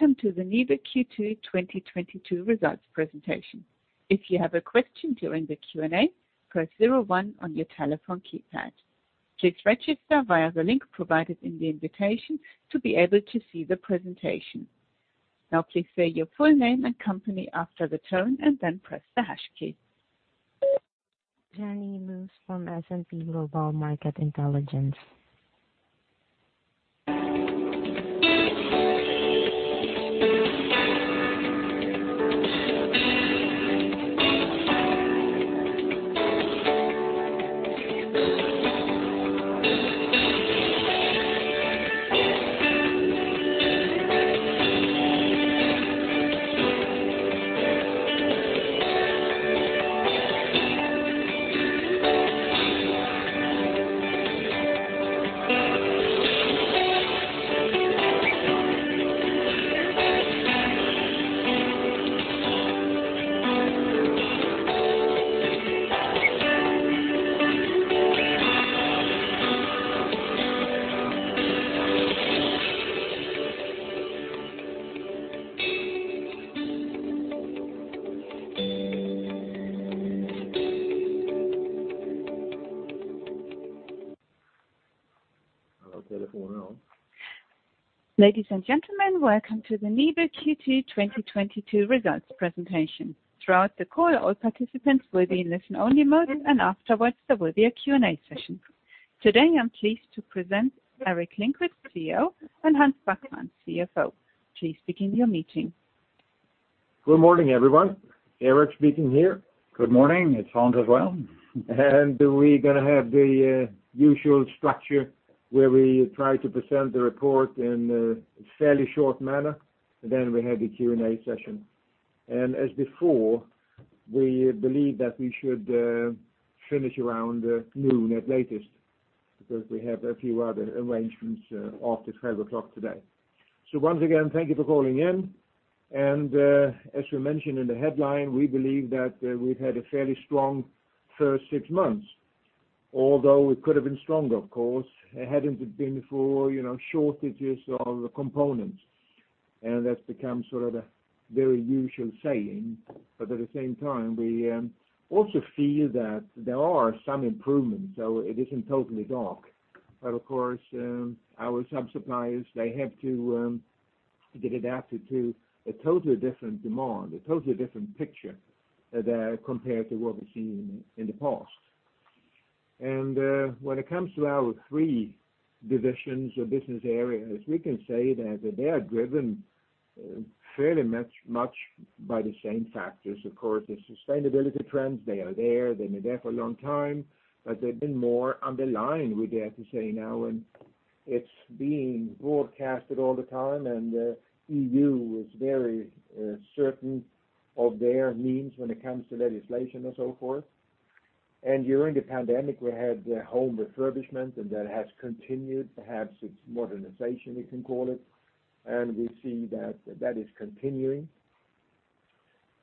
Welcome to the NIBE Q2 2022 results presentation. If you have a question during the Q&A, press zero one on your telephone keypad. Please register via the link provided in the invitation to be able to see the presentation. Now, please say your full name and company after the tone and then press the hash key. Jenny Moos from S&P Global Market Intelligence. Ladies and gentlemen, welcome to the NIBE Q2 2022 results presentation. Throughout the call, all participants will be in listen-only mode, and afterwards there will be a Q&A session. Today, I'm pleased to present Gerteric Lindquist, CEO, and Hans Backman, CFO. Please begin your meeting. Good morning, everyone. Gerteric Lindquist speaking here. Good morning. It's Hans as well. We're going to have the usual structure, where we try to present the report in a fairly short manner, then we have the Q&A session. As before, we believe that we should finish around 12:00 P.M. at latest, because we have a few other arrangements after 12:00 P.M. today. Once again, thank you for calling in, and as we mentioned in the headline, we believe that we've had a fairly strong first six months, although it could have been stronger, of course, hadn't it been for, you know, shortages of components. That's become sort of a very usual saying. At the same time, we also feel that there are some improvements, so it isn't totally dark. Of course, our sub-suppliers, they have to get adapted to a totally different demand, a totally different picture, compared to what we've seen in the past. When it comes to our three divisions or business areas, we can say that they are driven fairly much by the same factors. Of course, the sustainability trends, they are there. They've been there for a long time, but they've been more underlined, we dare to say now, and it's being broadcasted all the time, and EU is very certain of their means when it comes to legislation and so forth. During the pandemic, we had home refurbishment, and that has continued. Perhaps it's modernization, you can call it, and we see that is continuing.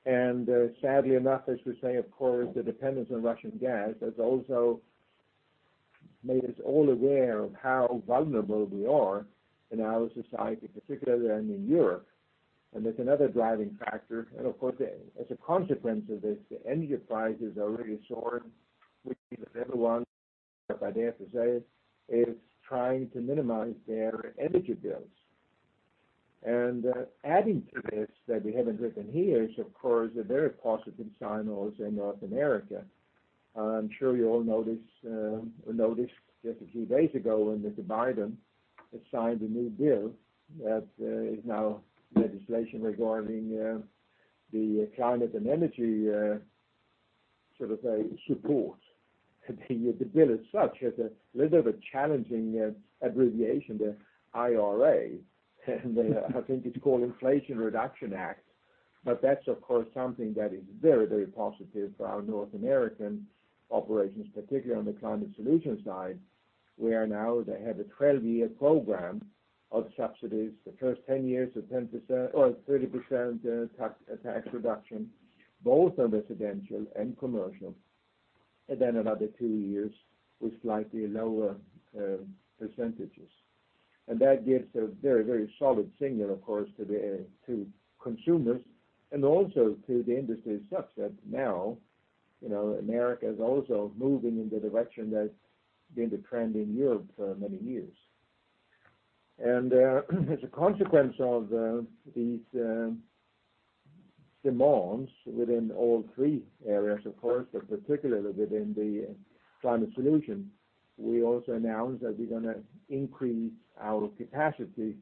Sadly enough, as we say, of course, the dependence on Russian gas has also made us all aware of how vulnerable we are in our society, particularly in Europe. That's another driving factor. Of course, as a consequence of this, the energy prices have really soared, which means everyone, I dare to say, is trying to minimize their energy bills. Adding to this, that we haven't written here is, of course, the very positive signals in North America. I'm sure you all notice, or noticed just a few days ago, when Mr. Biden signed a new bill that is now legislation regarding the climate and energy, should I say, support. The bill as such has a little bit of a challenging abbreviation, the IRA, and I think it's called Inflation Reduction Act. That's, of course, something that is very, very positive for our North American operations, particularly on the climate solution side, where now they have a 12-year program of subsidies. The first 10 years is 10% or 30%, tax reduction, both on residential and commercial, and then another two years with slightly lower percentages. That gives a very, very solid signal, of course, to consumers and also to the industry as such, that now, you know, America is also moving in the direction that's been the trend in Europe for many years. As a consequence of these demands within all three areas, of course, but particularly within the climate solution, we also announced that we're going to increase our capacity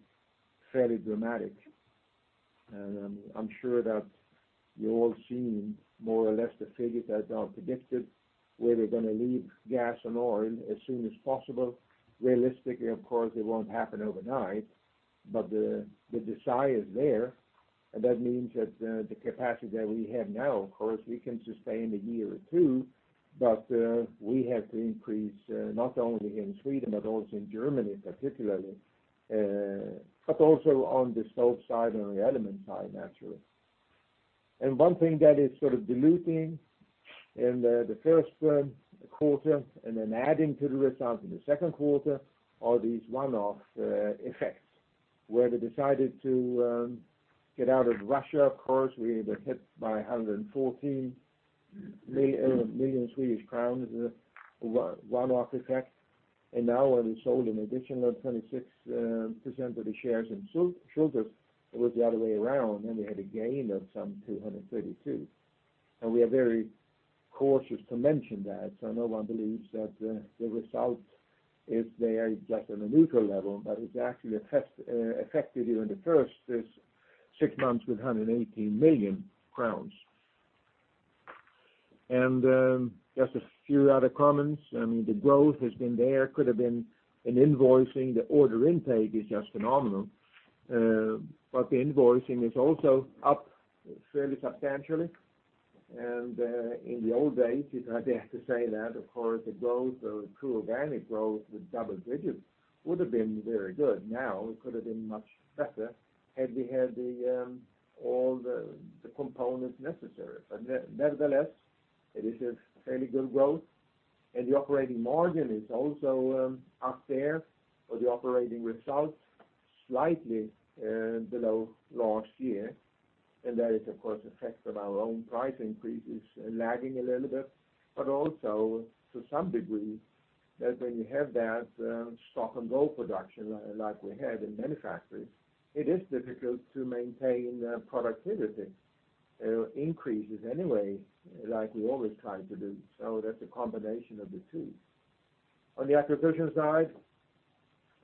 fairly dramatic. I'm sure that you've all seen more or less the figures that are predicted, where we're going to leave gas and oil as soon as possible. Realistically, of course, it won't happen overnight, but the desire is there. That means that the capacity that we have now, of course, we can sustain a year or two, but we have to increase, not only in Sweden, but also in Germany particularly, but also on the stove side and the element side, naturally. One thing that is sort of diluting in the first quarter and then adding to the results in the second quarter are these one-off effects, where they decided to get out of Russia, of course, we were hit by 114 million Swedish crowns one-off effect. Now when we sold an additional 26% of the shares in Schulthess, it was the other way around, and we had a gain of some 232. We are very cautious to mention that, so no one believes that the results, if they are just on a neutral level, but it's actually affected here in the first six months with 118 million crowns. Just a few other comments. I mean, the growth has been there. Could have been an invoicing. The order intake is just phenomenal. But the invoicing is also up fairly substantially. In the old days, you'd have dare to say that, of course, the growth or the pure organic growth with double digits would have been very good. Now, it could have been much better had we had the components necessary. Nevertheless, it is a fairly good growth, and the operating margin is also up there for the operating results, slightly below last year. That is, of course, effect of our own price increases lagging a little bit, but also to some degree that when you have that stop-and-go production like we had in many factories, it is difficult to maintain productivity increases anyway, like we always try to do. That's a combination of the two. On the acquisition side,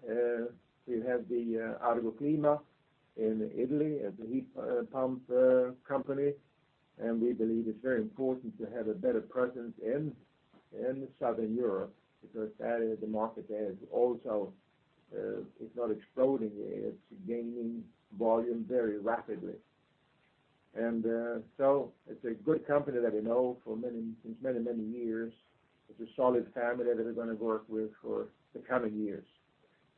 we have the Argoclima in Italy, it's a heat pump company. We believe it's very important to have a better presence in Southern Europe because that is the market there is also, it's not exploding, it's gaining volume very rapidly. It's a good company that we know since many, many years. It's a solid family that we're going to work with for the coming years.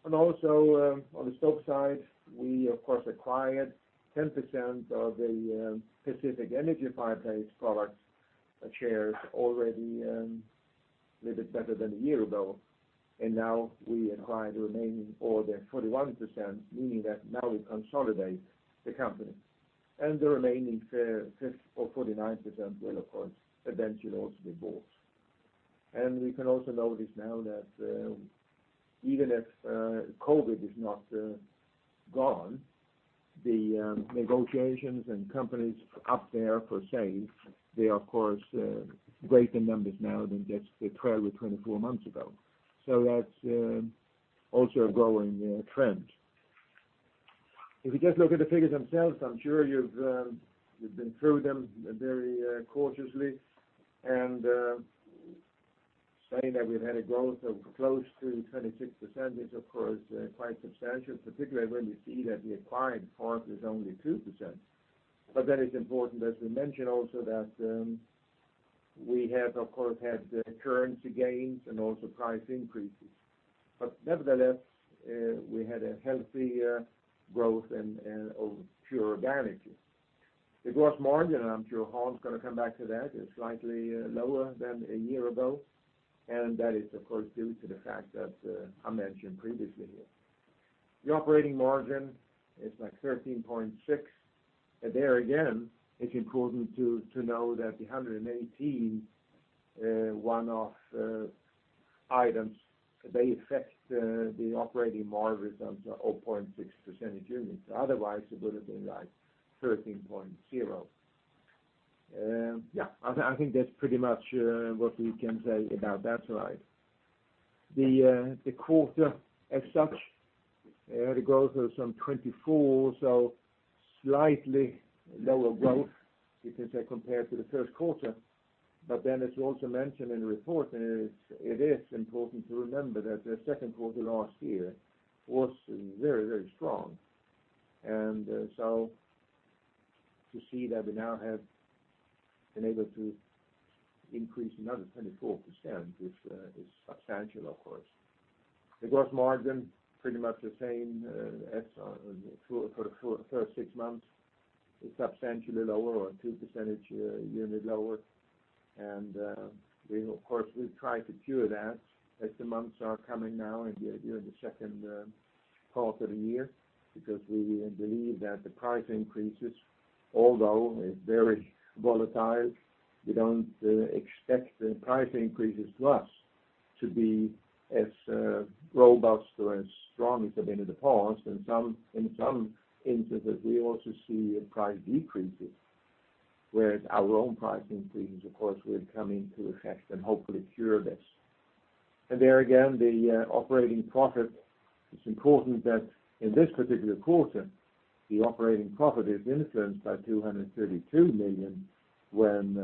On the stock side, we of course acquired 10% of the Pacific Energy biomass products shares already, a little bit better than a year ago. Now we acquired the remaining or the 41%, meaning that now we consolidate the company. The remaining or 49% will of course eventually also be bought. We can also notice now that even if COVID is not gone, the negotiations and companies up for sale, they of course greater numbers now than just the 12 or 24 months ago. That's also a growing trend. If you just look at the figures themselves, I'm sure you've been through them very cautiously. Saying that we've had a growth of close to 26% is of course quite substantial, particularly when you see that the acquired part is only 2%. That is important, as we mentioned also that we have of course had the currency gains and also price increases. Nevertheless, we had a healthy growth and of pure organic. The gross margin, and I'm sure Hans is going to come back to that, is slightly lower than a year ago, and that is of course due to the fact that I mentioned previously here. The operating margin is like 13.6%. There again, it's important to know that the 118 one-off items, they affect the operating margin. Results are 0.6 percentage units. Otherwise, it would have been like 13.0%. Yeah. I think that's pretty much what we can say about that slide. The quarter as such, the growth of some 24%, so slightly lower growth, you can say, compared to the first quarter. As you also mentioned in the report, and it is important to remember that the second quarter last year was very, very strong. To see that we now have been able to increase another 24% is substantial, of course. The gross margin, pretty much the same as for the first six months, is substantially lower or two percentage points lower. We of course try to cure that as the months are coming now and here in the second half of the year because we believe that the price increases, although is very volatile, we don't expect the price increases for us to be as robust or as strong as they've been in the past. In some instances, we also see price decreases, whereas our own price increases, of course, will come into effect and hopefully cure this. There again, the operating profit, it's important that in this particular quarter, the operating profit is influenced by 232 million when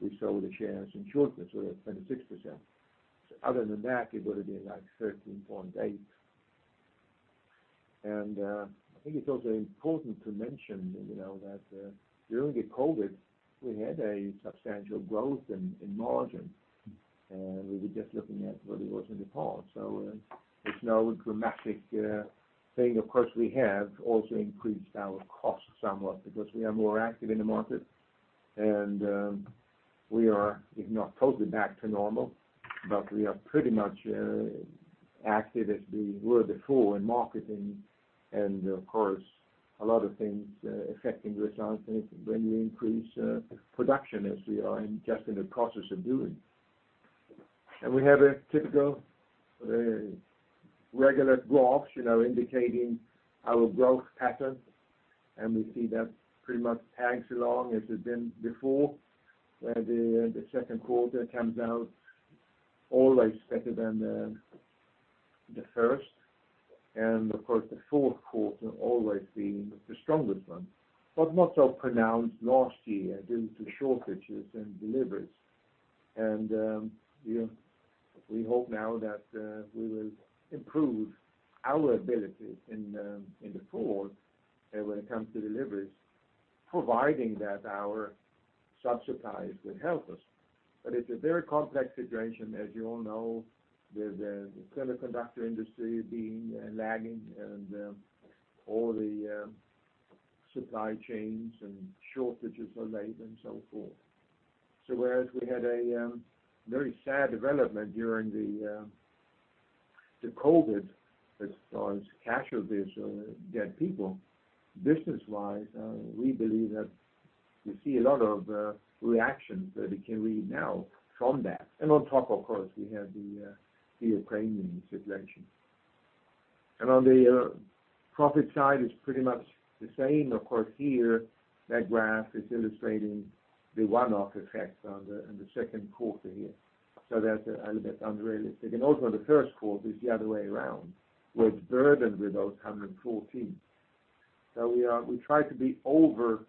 we sold the shares in Schulthess, so that's 26%. Other than that, it would have been like 13.8%. I think it's also important to mention, you know, that during the COVID, we had a substantial growth in margin, and we were just looking at where it was in the past. It's no dramatic thing. Of course, we have also increased our costs somewhat because we are more active in the market and we are, if not totally back to normal, but we are pretty much active as we were before in marketing. Of course, a lot of things affecting results when you increase production as we are just in the process of doing. We have a typical regular graphs, you know, indicating our growth pattern, and we see that pretty much tags along as it did before, where the second quarter comes out always better than the first. Of course, the fourth quarter always being the strongest one, but not so pronounced last year due to shortages and deliveries. You know, we hope now that we will improve our ability in the fourth when it comes to deliveries, providing that our sub-suppliers will help us. It's a very complex situation, as you all know, with the semiconductor industry being lagging and all the supply chains and shortages are late and so forth. Whereas we had a very sad development during the COVID as far as casualties or dead people, business-wise, we believe that we see a lot of reactions that we can read now from that. On top, of course, we have the Ukrainian situation. On the profit side, it's pretty much the same. Of course, here, that graph is illustrating the one-off effects in the second quarter here. That's a little bit unrealistic. Also, the first quarter is the other way around. We're burdened with those 114. We try to be overcautious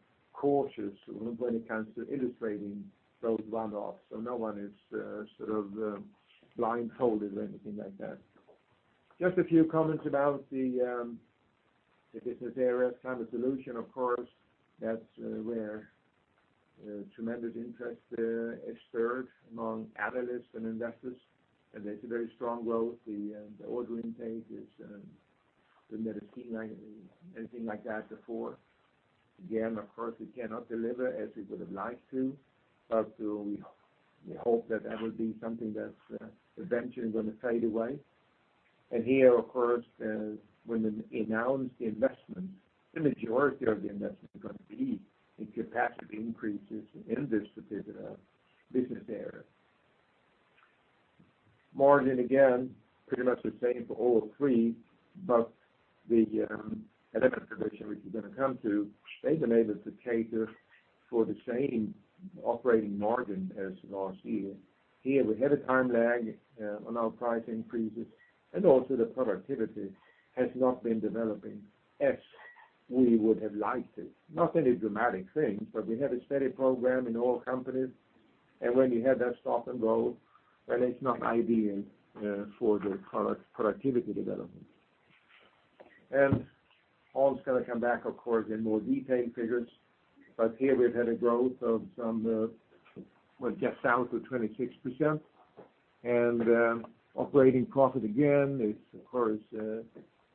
when it comes to illustrating those one-offs, so no one is sort of blindfolded or anything like that. Just a few comments about the business area Climate Solutions, of course. That's where tremendous interest is stirred among analysts and investors. It's a very strong growth. The order intake is we've never seen anything like that before. Again, of course, we cannot deliver as we would've liked to, but we hope that that will be something that eventually going to fade away. Here, of course, when we announce the investment, the majority of the investment is going to be in capacity increases in this particular business area. Margin, again, pretty much the same for all three, but the Element division, which we're going to come to, they've been able to cater for the same operating margin as last year. Here, we had a time lag on our price increases, and also the productivity has not been developing as we would have liked it. Not any dramatic things, but we have a steady program in all companies, and when you have that stop and go, then it's not ideal for the product productivity development. Ole's going to come back, of course, in more detailed figures. Here we've had a growth of some, well, just south of 26%. Operating profit, again, is of course,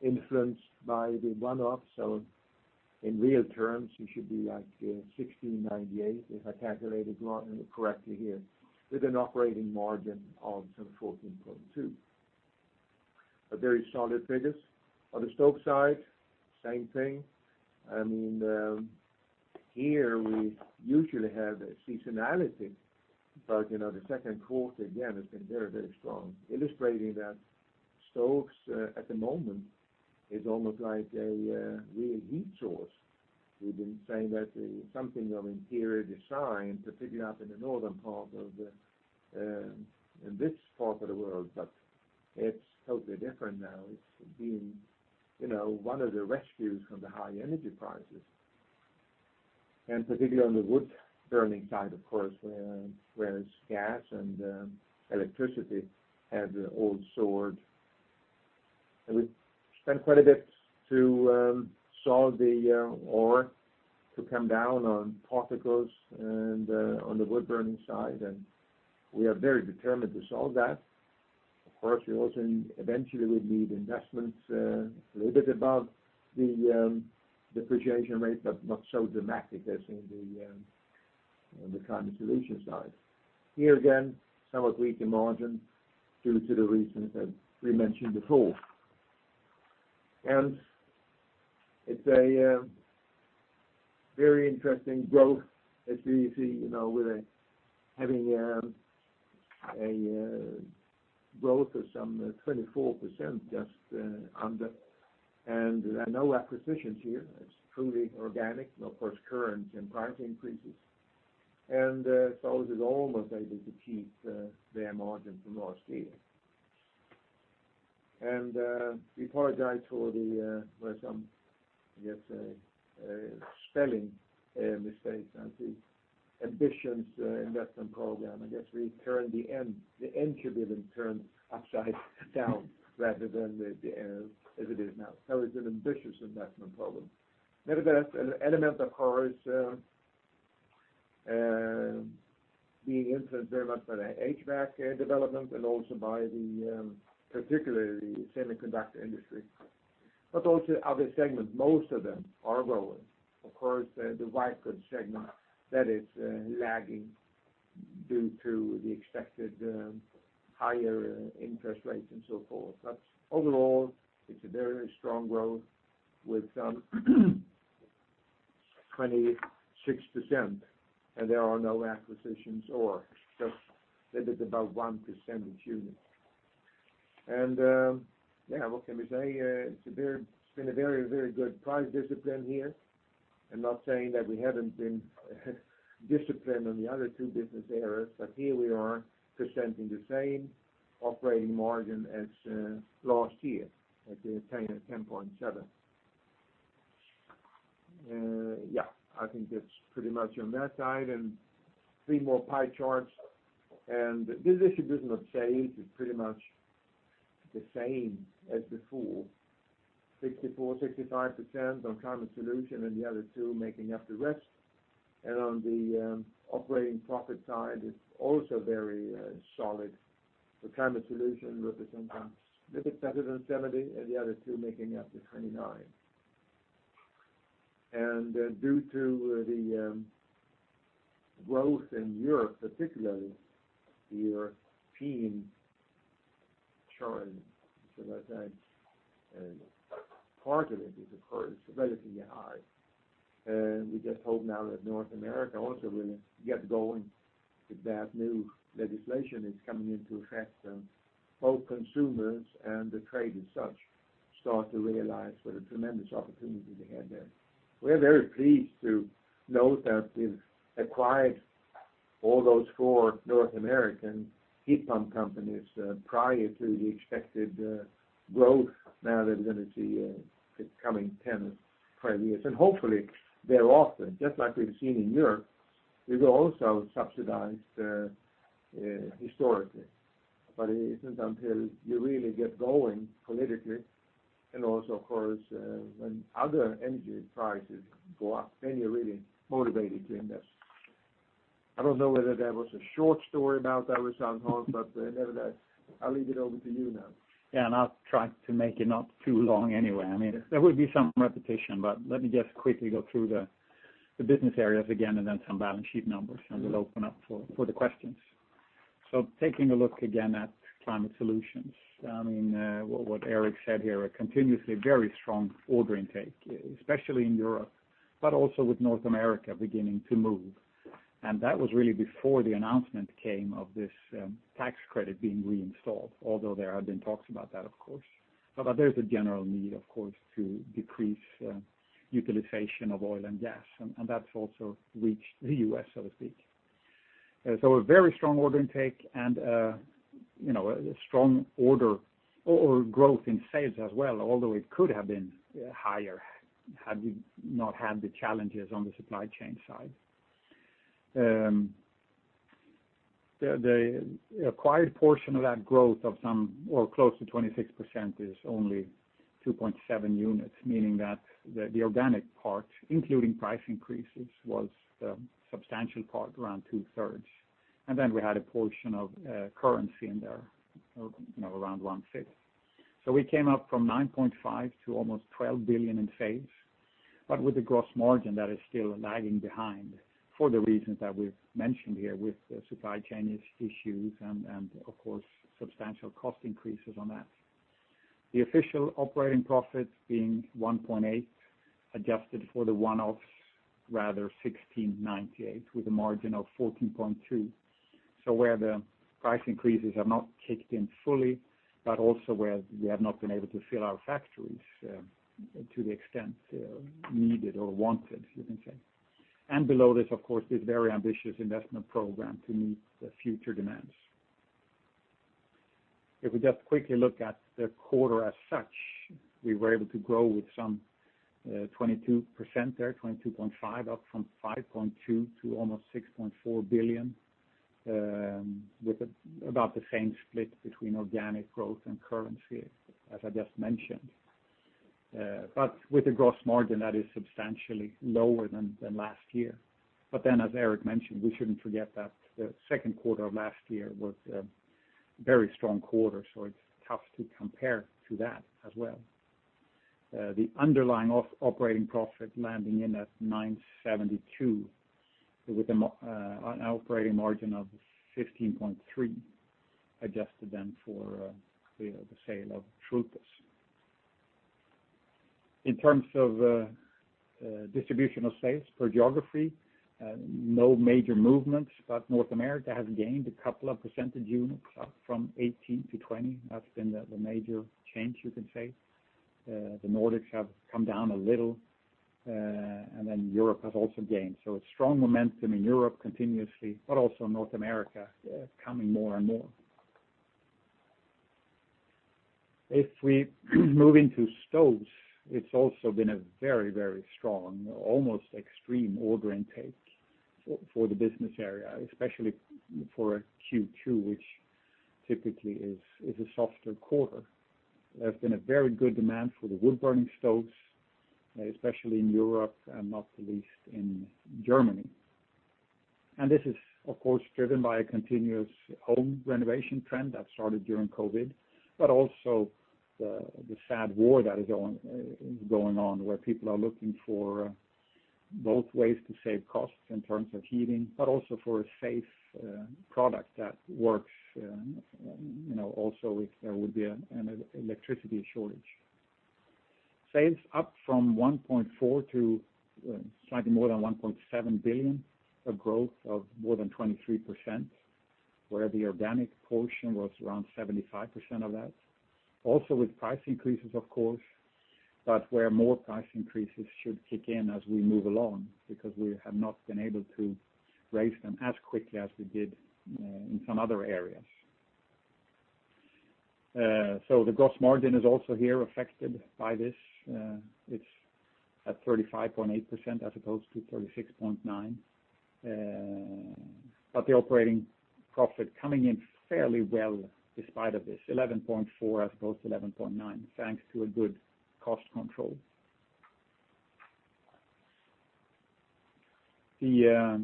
influenced by the one-offs. In real terms, it should be like, 1,698, if I calculated wrong, correctly here, with an operating margin of some 14.2%. A very solid figures. On the stove side, same thing. I mean, here, we usually have a seasonality, but, you know, the second quarter, again, has been very, very strong, illustrating that stoves, at the moment is almost like a, real heat source. We've been saying that it's something of interior design, particularly up in the northern part in this part of the world. It's totally different now. It's been, you know, one of the rescues from the high energy prices, and particularly on the wood-burning side, of course, where whereas gas and electricity have all soared. We've spent quite a bit to solve in order to come down on particles on the wood-burning side, and we are very determined to solve that. Of course, we also need. Eventually we'll need investments a little bit above the depreciation rate, but not so dramatic as in the Climate Solutions side. Here again, somewhat weaker margin due to the reasons that we mentioned before. It's a very interesting growth as we see, you know, with a Having a growth of some 24% just under. No acquisitions here. It's truly organic. Of course, currency and price increases. It is almost able to keep their margin from last year. We apologize for the, well, some, I guess, spelling mistakes on the ambitious investment program. I guess we turned the N. The N should have been turned upside down rather than as it is now. It's an ambitious investment program. Nevertheless, NIBE Element, of course, and being influenced very much by the HVAC development and also by the, particularly the semiconductor industry. Also other segments, most of them are growing. Of course, the white goods segment that is lagging due to the expected higher interest rates and so forth. Overall, it's a very strong growth with 26% and there are no acquisitions or just that is about 1% this unit. Yeah, what can we say? It's been a very, very good price discipline here. I'm not saying that we haven't been disciplined on the other two business areas, but here we are presenting the same operating margin as last year at 10.7%. Yeah, I think that's pretty much on that side and three more pie charts. The distribution has not changed, it's pretty much the same as before. 64, 65% on NIBE Climate Solutions and the other two making up the rest. On the operating profit side, it's also very solid. NIBE Climate Solutions representing a bit better than 70%, and the other two making up to 29%. Due to the growth in Europe, particularly the European turn, shall I say, part of it is of course relatively high. We just hope now that North America also will get going with that new legislation that's coming into effect, and both consumers and the trade as such start to realize what a tremendous opportunity they have there. We're very pleased to note that we've acquired all those four North American heat pump companies prior to the expected growth now that we're going to see the coming 10 or 12 years. Hopefully, they're often just like we've seen in Europe, these are also subsidized historically. But it isn't until you really get going politically, and also of course when other energy prices go up, then you're really motivated to invest. I don't know whether that was a short story about that, Gerteric Lindquist, but nevertheless, I'll leave it over to you now. Yeah, I'll try to make it not too long anyway. I mean, there will be some repetition, but let me just quickly go through the business areas again and then some balance sheet numbers, and we'll open up for the questions. Taking a look again at Climate Solutions, I mean, what Gerteric Lindquist said here, a continuously very strong order intake, especially in Europe, but also with North America beginning to move. That was really before the announcement came of this tax credit being reinstalled, although there have been talks about that, of course. There's a general need, of course, to decrease utilization of oil and gas, and that's also reached the U.S., so to speak. A very strong order intake and, you know, a strong order growth in sales as well, although it could have been higher had we not had the challenges on the supply chain side. The acquired portion of that growth of somewhere close to 26% is only 2.7 units, meaning that the organic part, including price increases, was the substantial part, around two-thirds. We had a portion of currency in there, you know, around one-fifth. We came up from 9.5 billion to almost 12 billion in sales, but with a gross margin that is still lagging behind for the reasons that we've mentioned here with the supply chain issues and, of course, substantial cost increases on that. The official operating profits being 1.8, adjusted for the one-offs, rather 1.698, with a margin of 14.2%. Where the price increases have not kicked in fully, but also where we have not been able to fill our factories to the extent needed or wanted, you can say. Below this, of course, this very ambitious investment program to meet the future demands. If we just quickly look at the quarter as such, we were able to grow with some 22% there, 22.5%, up from 5.2 billion to almost 6.4 billion, with about the same split between organic growth and currency, as I just mentioned. But with a gross margin that is substantially lower than last year. As Gerteric mentioned, we shouldn't forget that the second quarter of last year was a very strong quarter, so it's tough to compare to that as well. The underlying operating profit landing in at 972 with an operating margin of 15.3%, adjusted then for, you know, the sale of Schulthess. In terms of distribution of sales for geography, no major movements, but North America has gained a couple of percentage units up from 18% to 20%. That's been the major change, you can say. The Nordics have come down a little, and then Europe has also gained. A strong momentum in Europe continuously, but also North America coming more and more. If we move into stoves, it's also been a very, very strong, almost extreme order intake for the business area, especially for Q2, which typically is a softer quarter. There's been a very good demand for the wood-burning stoves, especially in Europe and not the least in Germany. This is, of course, driven by a continuous home renovation trend that started during COVID, but also the sad war that is going on, where people are looking for both ways to save costs in terms of heating, but also for a safe product that works, you know, also if there would be an electricity shortage. Sales up from 1.4 billion to slightly more than 1.7 billion, a growth of more than 23%, where the organic portion was around 75% of that. With price increases, of course, but where more price increases should kick in as we move along because we have not been able to raise them as quickly as we did in some other areas. The gross margin is also here affected by this. It's at 35.8% as opposed to 36.9%. The operating profit coming in fairly well despite of this. 11.4% as opposed to 11.9%, thanks to a good cost control. The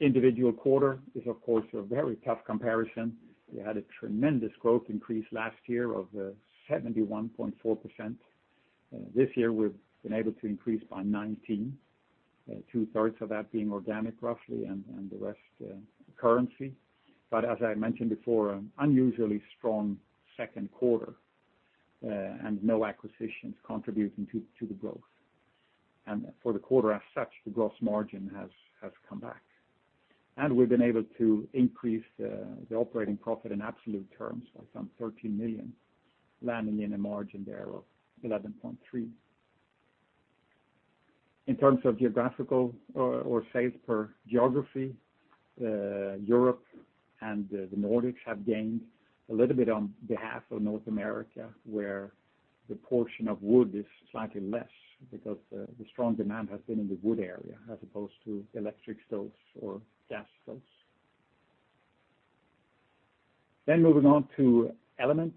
individual quarter is, of course, a very tough comparison. We had a tremendous growth increase last year of 71.4%. This year we've been able to increase by 19%, two-thirds of that being organic, roughly, and the rest currency. As I mentioned before, an unusually strong second quarter, and no acquisitions contributing to the growth. For the quarter as such, the gross margin has come back. We've been able to increase the operating profit in absolute terms by some 13 million, landing in a margin there of 11.3%. In terms of geographical or sales per geography, Europe and the Nordics have gained a little bit on behalf of North America, where the portion of wood is slightly less because the strong demand has been in the wood area as opposed to electric stoves or gas stoves. Moving on to Element.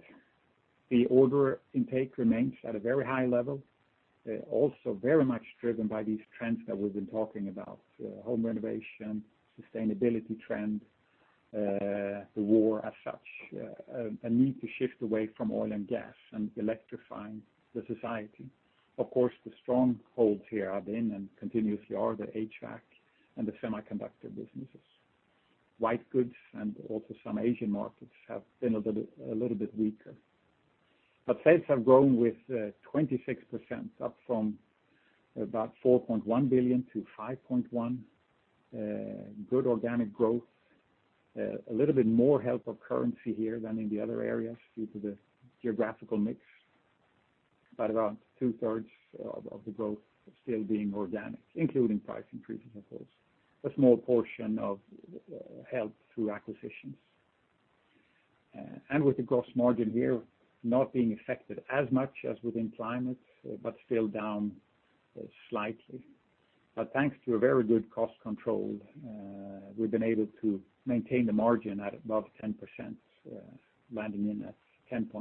The order intake remains at a very high level, also very much driven by these trends that we've been talking about, home renovation, sustainability trend, the war as such, a need to shift away from oil and gas and electrifying the society. Of course, the strongholds here have been and continuously are the HVAC and the semiconductor businesses. White goods and also some Asian markets have been a little bit weaker. Sales have grown with 26%, up from about 4.1 billion-5.1 billion. Good organic growth. A little bit more help of currency here than in the other areas due to the geographical mix, but around two-thirds of the growth still being organic, including price increases, of course. A small portion of help through acquisitions. With the gross margin here not being affected as much as within Climate, but still down slightly. Thanks to a very good cost control, we've been able to maintain the margin at above 10%, landing in at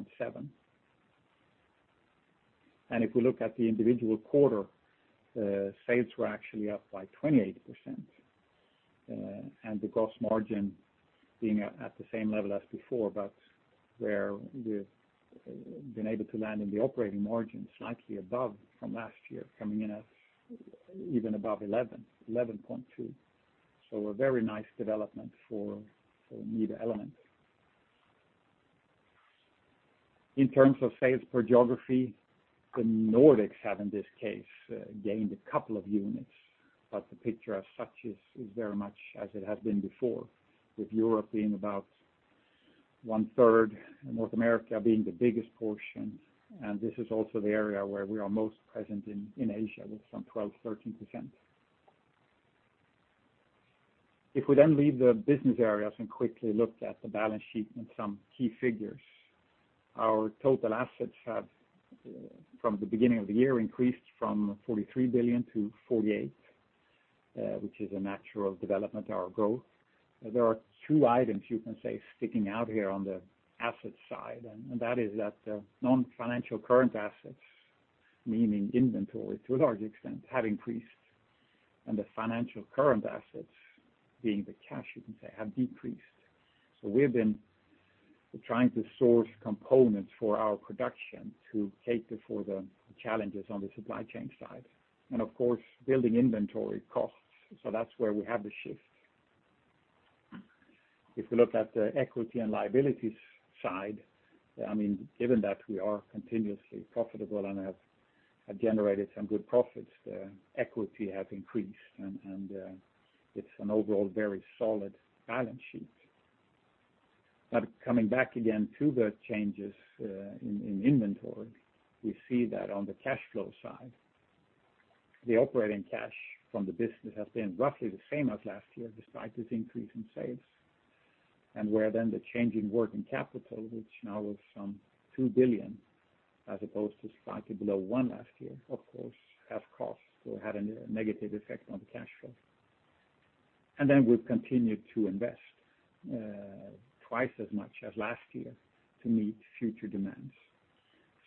10.7%. If we look at the individual quarter, sales were actually up by 28%, and the gross margin being at the same level as before, but where we've been able to land in the operating margin slightly above from last year, coming in at even above 11%, 11.2%. A very nice development for NIBE Element. In terms of sales per geography, the Nordics have in this case gained a couple of units, but the picture as such is very much as it has been before, with Europe being about 1/3 and North America being the biggest portion. This is also the area where we are most present in Asia, with some 12-13%. If we then leave the business areas and quickly look at the balance sheet and some key figures, our total assets have from the beginning of the year increased from 43 billion-48 billion, which is a natural development, our growth. There are two items you can say sticking out here on the asset side, and that is that non-financial current assets, meaning inventory to a large extent, have increased, and the financial current assets, being the cash you can say, have decreased. We've been trying to source components for our production to cater for the challenges on the supply chain side. Of course, building inventory costs. That's where we have the shift. If we look at the equity and liabilities side, I mean, given that we are continuously profitable and have generated some good profits, equity has increased and it's an overall very solid balance sheet. Coming back again to the changes in inventory, we see that on the cash flow side, the operating cash from the business has been roughly the same as last year despite this increase in sales. Where then the change in working capital, which now was some 2 billion as opposed to slightly below 1 billion last year, of course, had a negative effect on the cash flow. Then we've continued to invest twice as much as last year to meet future demands.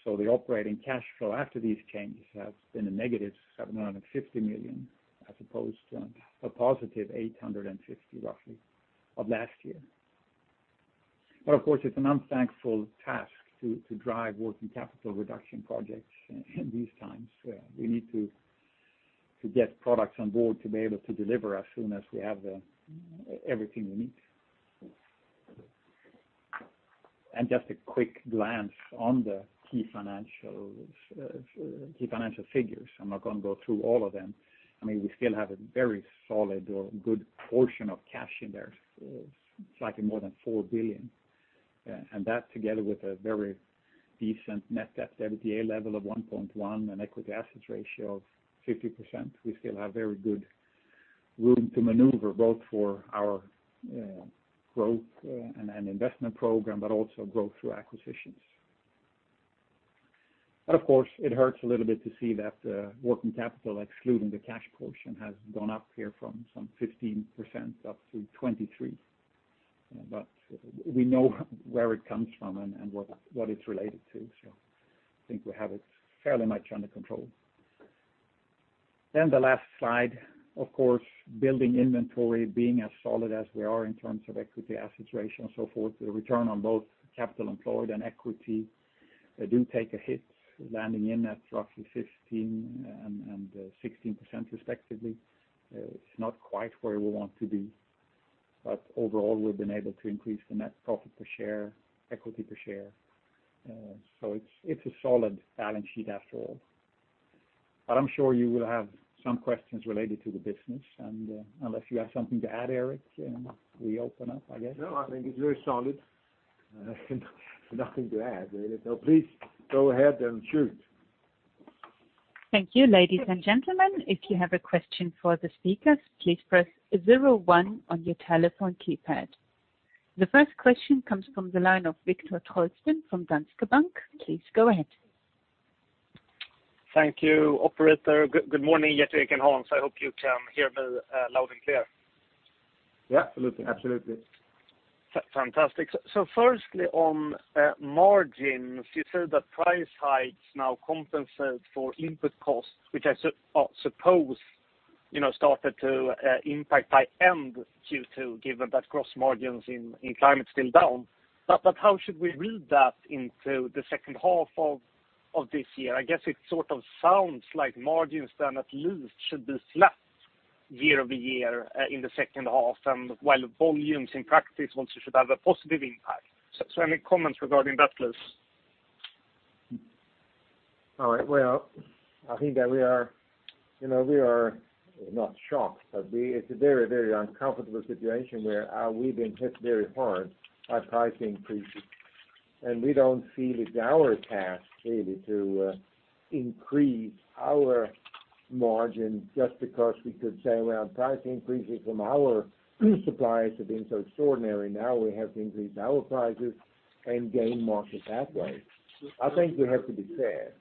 The operating cash flow after these changes has been a negative 750 million as opposed to a positive 850 million, roughly, of last year. Of course, it's an unthankful task to drive working capital reduction projects in these times where we need to get products on board to be able to deliver as soon as we have everything we need. Just a quick glance on the key financials, key financial figures. I'm not going to go through all of them. I mean, we still have a very solid or good portion of cash in there, slightly more than 4 billion. And that together with a very decent net debt-to-EBITDA level of 1.1 and equity assets ratio of 50%, we still have very good room to maneuver, both for our growth and investment program, but also growth through acquisitions. Of course, it hurts a little bit to see that working capital, excluding the cash portion, has gone up here from some 15% up to 23%. We know where it comes from and what it's related to. I think we have it fairly much under control. The last slide, of course, building inventory, being as solid as we are in terms of equity assets ratio and so forth, the return on both capital employed and equity do take a hit, landing in at roughly 15% and 16% respectively. It's not quite where we want to be, but overall, we've been able to increase the net profit per share, equity per share. So it's a solid balance sheet after all. I'm sure you will have some questions related to the business. Unless you have something to add, Gerteric, we open up, I guess. No, I think it's very solid. Nothing to add. Please go ahead and shoot. Thank you. Ladies and gentlemen, if you have a question for the speakers, please press zero one on your telephone keypad. The first question comes from the line of Viktor Trollsten from Danske Bank. Please go ahead. Thank you, operator. Good morning, Gerteric and Hans. I hope you can hear me loud and clear. Yeah, absolutely. Absolutely. Fantastic. Firstly, on margins, you said that price hikes now compensate for input costs, which I suppose, you know, started to impact by end Q2, given that gross margins in Climate's still down. How should we read that into the second half of this year? I guess it sort of sounds like margins then at least should be flat year-over-year in the second half, while volumes in practice also should have a positive impact. Any comments regarding that, please? All right. Well, I think that we are, you know, not shocked, but it's a very, very uncomfortable situation where we've been hit very hard by price increases. We don't feel it's our task really to increase our margin just because we could say, "Well, price increases from our suppliers have been so extraordinary. Now we have to increase our prices and gain market that way." I think we have to be fair.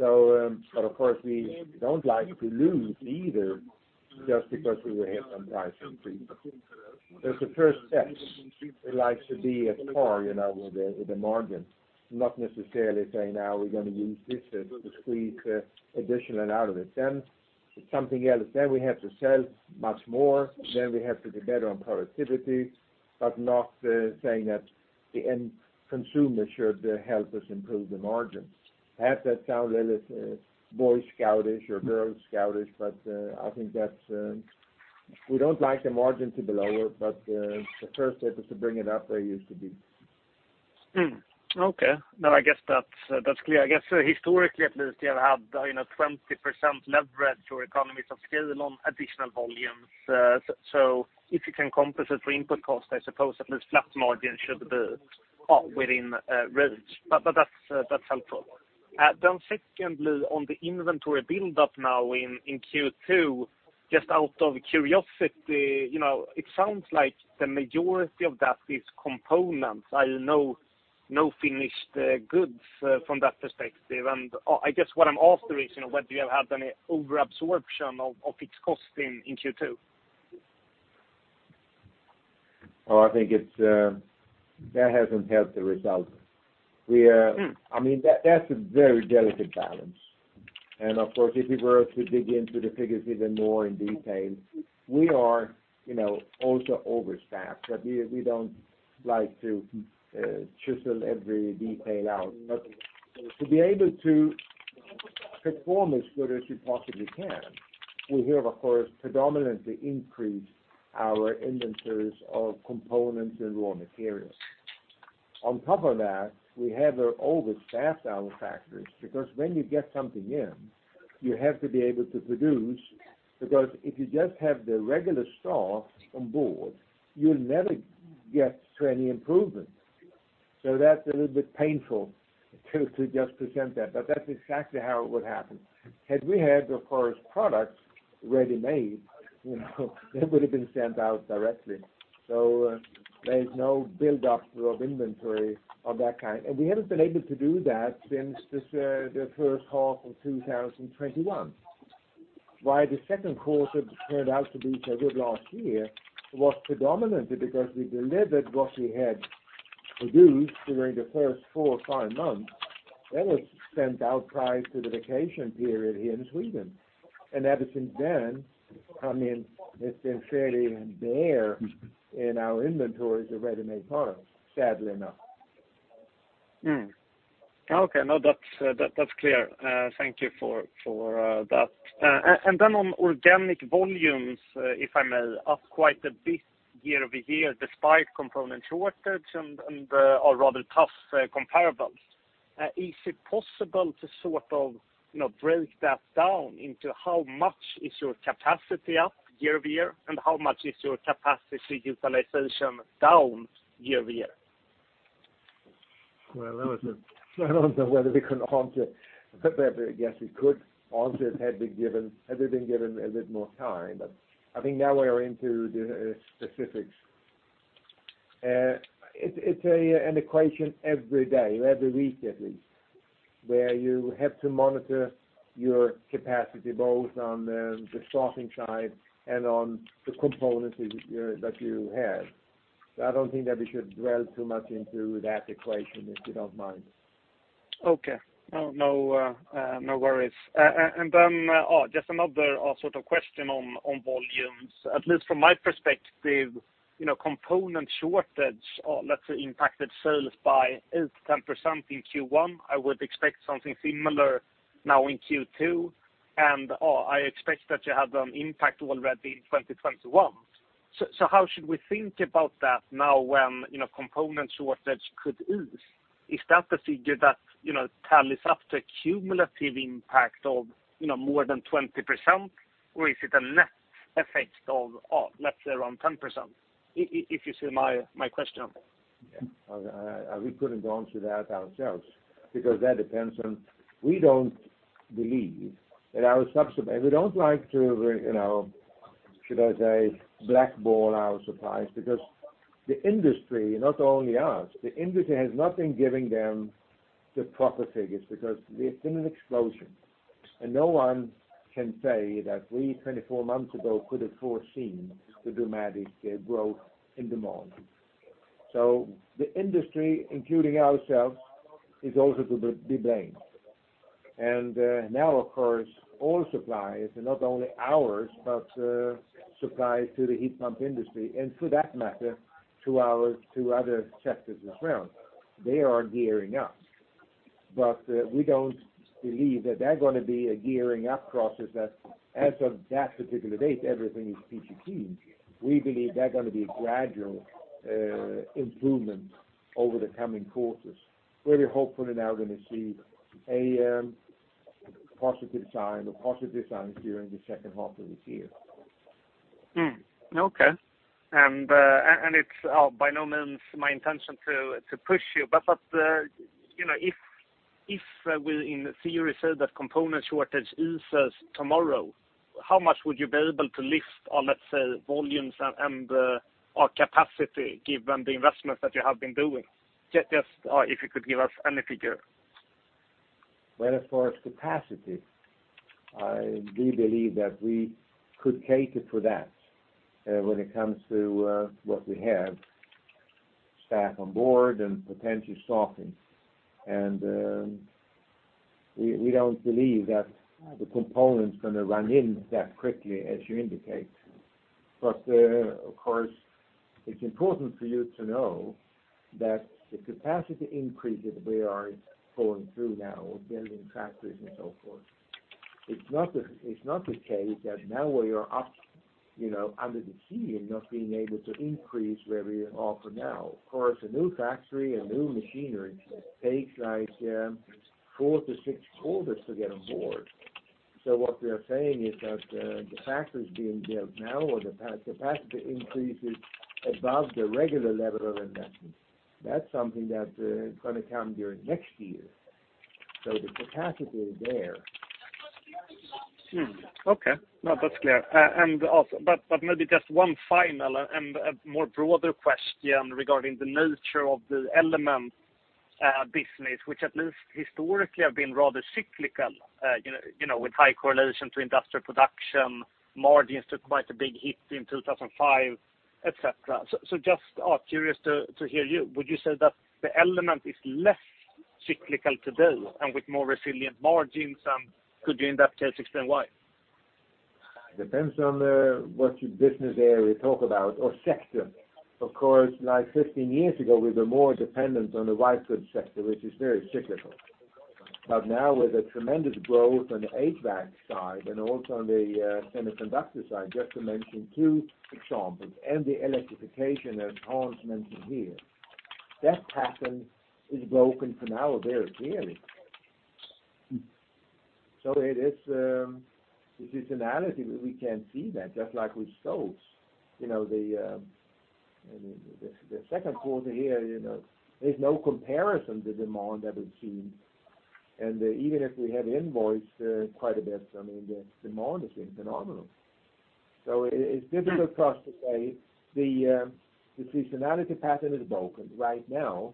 Of course, we don't like to lose either just because we were hit on price increase. The first step, we like to be at par, you know, with the margin, not necessarily saying, "Now we're going to use this to squeeze additional out of it." It's something else. We have to sell much more. We have to be better on productivity, but not saying that the end consumer should help us improve the margin. Perhaps that sound a little Boy Scout-ish or Girl Scout-ish, but I think that's. We don't like the margin to be lower, but the first step is to bring it up where it used to be. Okay. No, I guess that's clear. I guess historically, at least you have had, you know, 20% leverage or economies of scale on additional volumes. So if you can compensate for input cost, I suppose at least flat margin should be within range. But that's helpful. Then secondly, on the inventory buildup now in Q2, just out of curiosity, you know, it sounds like the majority of that is components, no finished goods, from that perspective. I guess what I'm after is, you know, whether you have had any overabsorption of fixed costs in Q2. Oh, I think it's. That hasn't helped the result. We Hmm. I mean, that's a very delicate balance. Of course, if it were to dig into the figures even more in detail, we are, you know, also overstaffed. We don't like to chisel every detail out. To be able to perform as good as you possibly can, we have, of course, predominantly increased our inventories of components and raw materials. On top of that, we have overstaffed our factories, because when you get something in, you have to be able to produce. Because if you just have the regular staff on board, you'll never get to any improvement. That's a little bit painful to just present that, but that's exactly how it would happen. Had we had, of course, products ready-made, you know, they would have been sent out directly. So, there's no buildup of inventory of that kind, and we haven't been able to do that since the first half of 2021. Why the second quarter turned out to be so good last year was predominantly because we delivered what we had produced during the first four or five months that was sent out prior to the vacation period here in Sweden. Ever since then, I mean, it's been fairly bare in our inventories of ready-made goods, sadly enough. Okay. No, that's clear. Thank you for that. Then on organic volumes, if I may, up quite a bit year-over-year, despite component shortage and or rather tough comparables. Is it possible to sort of, you know, break that down into how much is your capacity up year-over-year, and how much is your capacity utilization down year-over-year? Well, that was – I don't know whether we can answer, but maybe, I guess, we could answer it had we been given a bit more time. I think now we are into the specifics. It's an equation every day, every week at least, where you have to monitor your capacity both on the sourcing side and on the components that you have. I don't think that we should dwell too much into that equation, if you don't mind. Okay. No, no worries. Then, just another sort of question on volumes. At least from my perspective, you know, component shortage, let's say impacted sales by 8%-10% in Q1. I would expect something similar now in Q2, and I expect that you had an impact already in 2021. How should we think about that now when, you know, component shortage could ease? Is that the figure that, you know, tallies up to a cumulative impact of, you know, more than 20%, or is it a net effect of, let's say around 10%, if you see my question? Yeah. We couldn't answer that ourselves because that depends on. We don't like to, you know, should I say, blackball our suppliers because the industry, not only us, the industry has not been giving them the proper figures because there's been an explosion. No one can say that we, 24 months ago, could have foreseen the dramatic growth in demand. The industry, including ourselves, is also to be blamed. Now, of course, all suppliers, and not only ours, but suppliers to the heat pump industry, and for that matter, to other sectors as well, they are gearing up. We don't believe that there's going to be a gearing up process that, as of that particular date, everything is peachy keen. We believe there's going to be a gradual improvement over the coming quarters. We're hopefully now going to see a positive sign or positive signs during the second half of this year. Okay. It's by no means my intention to push you. You know, if we in theory say that component shortage eases tomorrow, how much would you be able to lift on, let's say, volumes and or capacity given the investments that you have been doing? Just if you could give us any figure. Well, as far as capacity, I do believe that we could cater for that, when it comes to what we have, staff on board and potential sourcing. We don't believe that the components going to run out that quickly as you indicate. Of course, it's important for you to know that the capacity increases we are going through now with building factories and so forth, it's not the case that now we are up, you know, under the gun and not being able to increase where we are for now. Of course, a new factory, a new machinery takes like four-six quarters to get on board. What we are saying is that the factories being built now or the capacity increases above the regular level of investment, that's something that going to come during next year. The capacity is there. No, that's clear. And also, maybe just one final and more broader question regarding the nature of the element business, which at least historically have been rather cyclical, you know, with high correlation to industrial production, margins took quite a big hit in 2005, et cetera. Just curious to hear you. Would you say that the element is less cyclical today and with more resilient margins, and could you in that case explain why? Depends on what business area you talk about or sector. Of course, like 15 years ago, we were more dependent on the white goods sector, which is very cyclical. Now with a tremendous growth on the HVAC side and also on the semiconductor side, just to mention two examples, and the electrification enhancements in here, that pattern is broken for now very clearly. Hmm. It is the seasonality. We can see that just like with stoves. The second quarter here, there's no comparison to demand that we've seen. Even if we have invoiced quite a bit, the demand has been phenomenal. It's difficult for us to say. The seasonality pattern is broken right now.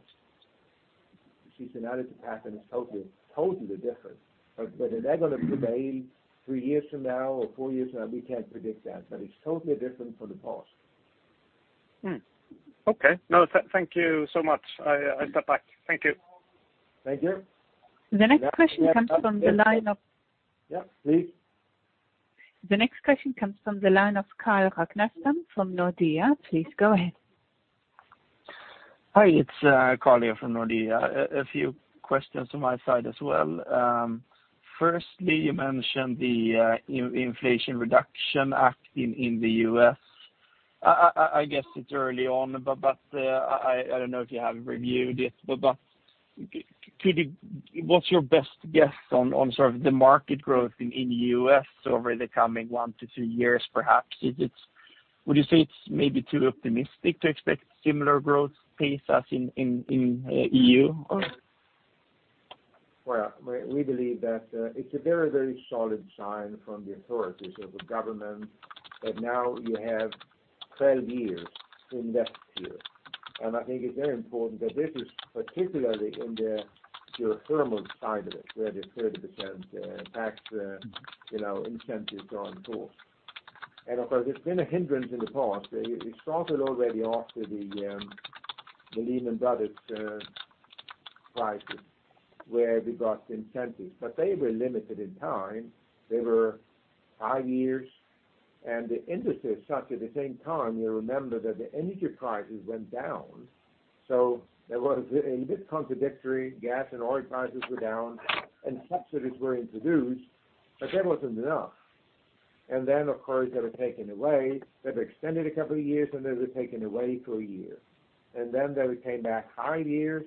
The seasonality pattern is totally different. But is that going to prevail three years from now or four years from now, we can't predict that, but it's totally different from the past. Okay. No, tha nk you so much. I step back. Thank you. Thank you. The next question comes from the line of. Yeah, please. The next question comes from the line of Carl Ragnestam from Nordea. Please go ahead. Hi, it's Carl here from Nordea. A few questions from my side as well. First, you mentioned the Inflation Reduction Act in the U.S. I guess it's early on, but I don't know if you have reviewed it. What's your best guess on sort of the market growth in the U.S. over the coming one-two years, perhaps? Would you say it's maybe too optimistic to expect similar growth pace as in the E.U. or? Well, we believe that it's a very, very solid sign from the authorities of the government that now you have 12 years to invest here. I think it's very important that this is particularly in the geothermal side of it, where the 30% tax, you know, incentives are in force. Of course, it's been a hindrance in the past. It started already after the Lehman Brothers crisis, where we got incentives. They were limited in time. They were five years. The industry is such at the same time, you remember that the energy prices went down. There was a bit contradictory. Gas and oil prices were down, and subsidies were introduced, but that wasn't enough. Then, of course, they were taken away. They were extended a couple of years, and they were taken away for a year. Then they came back five years,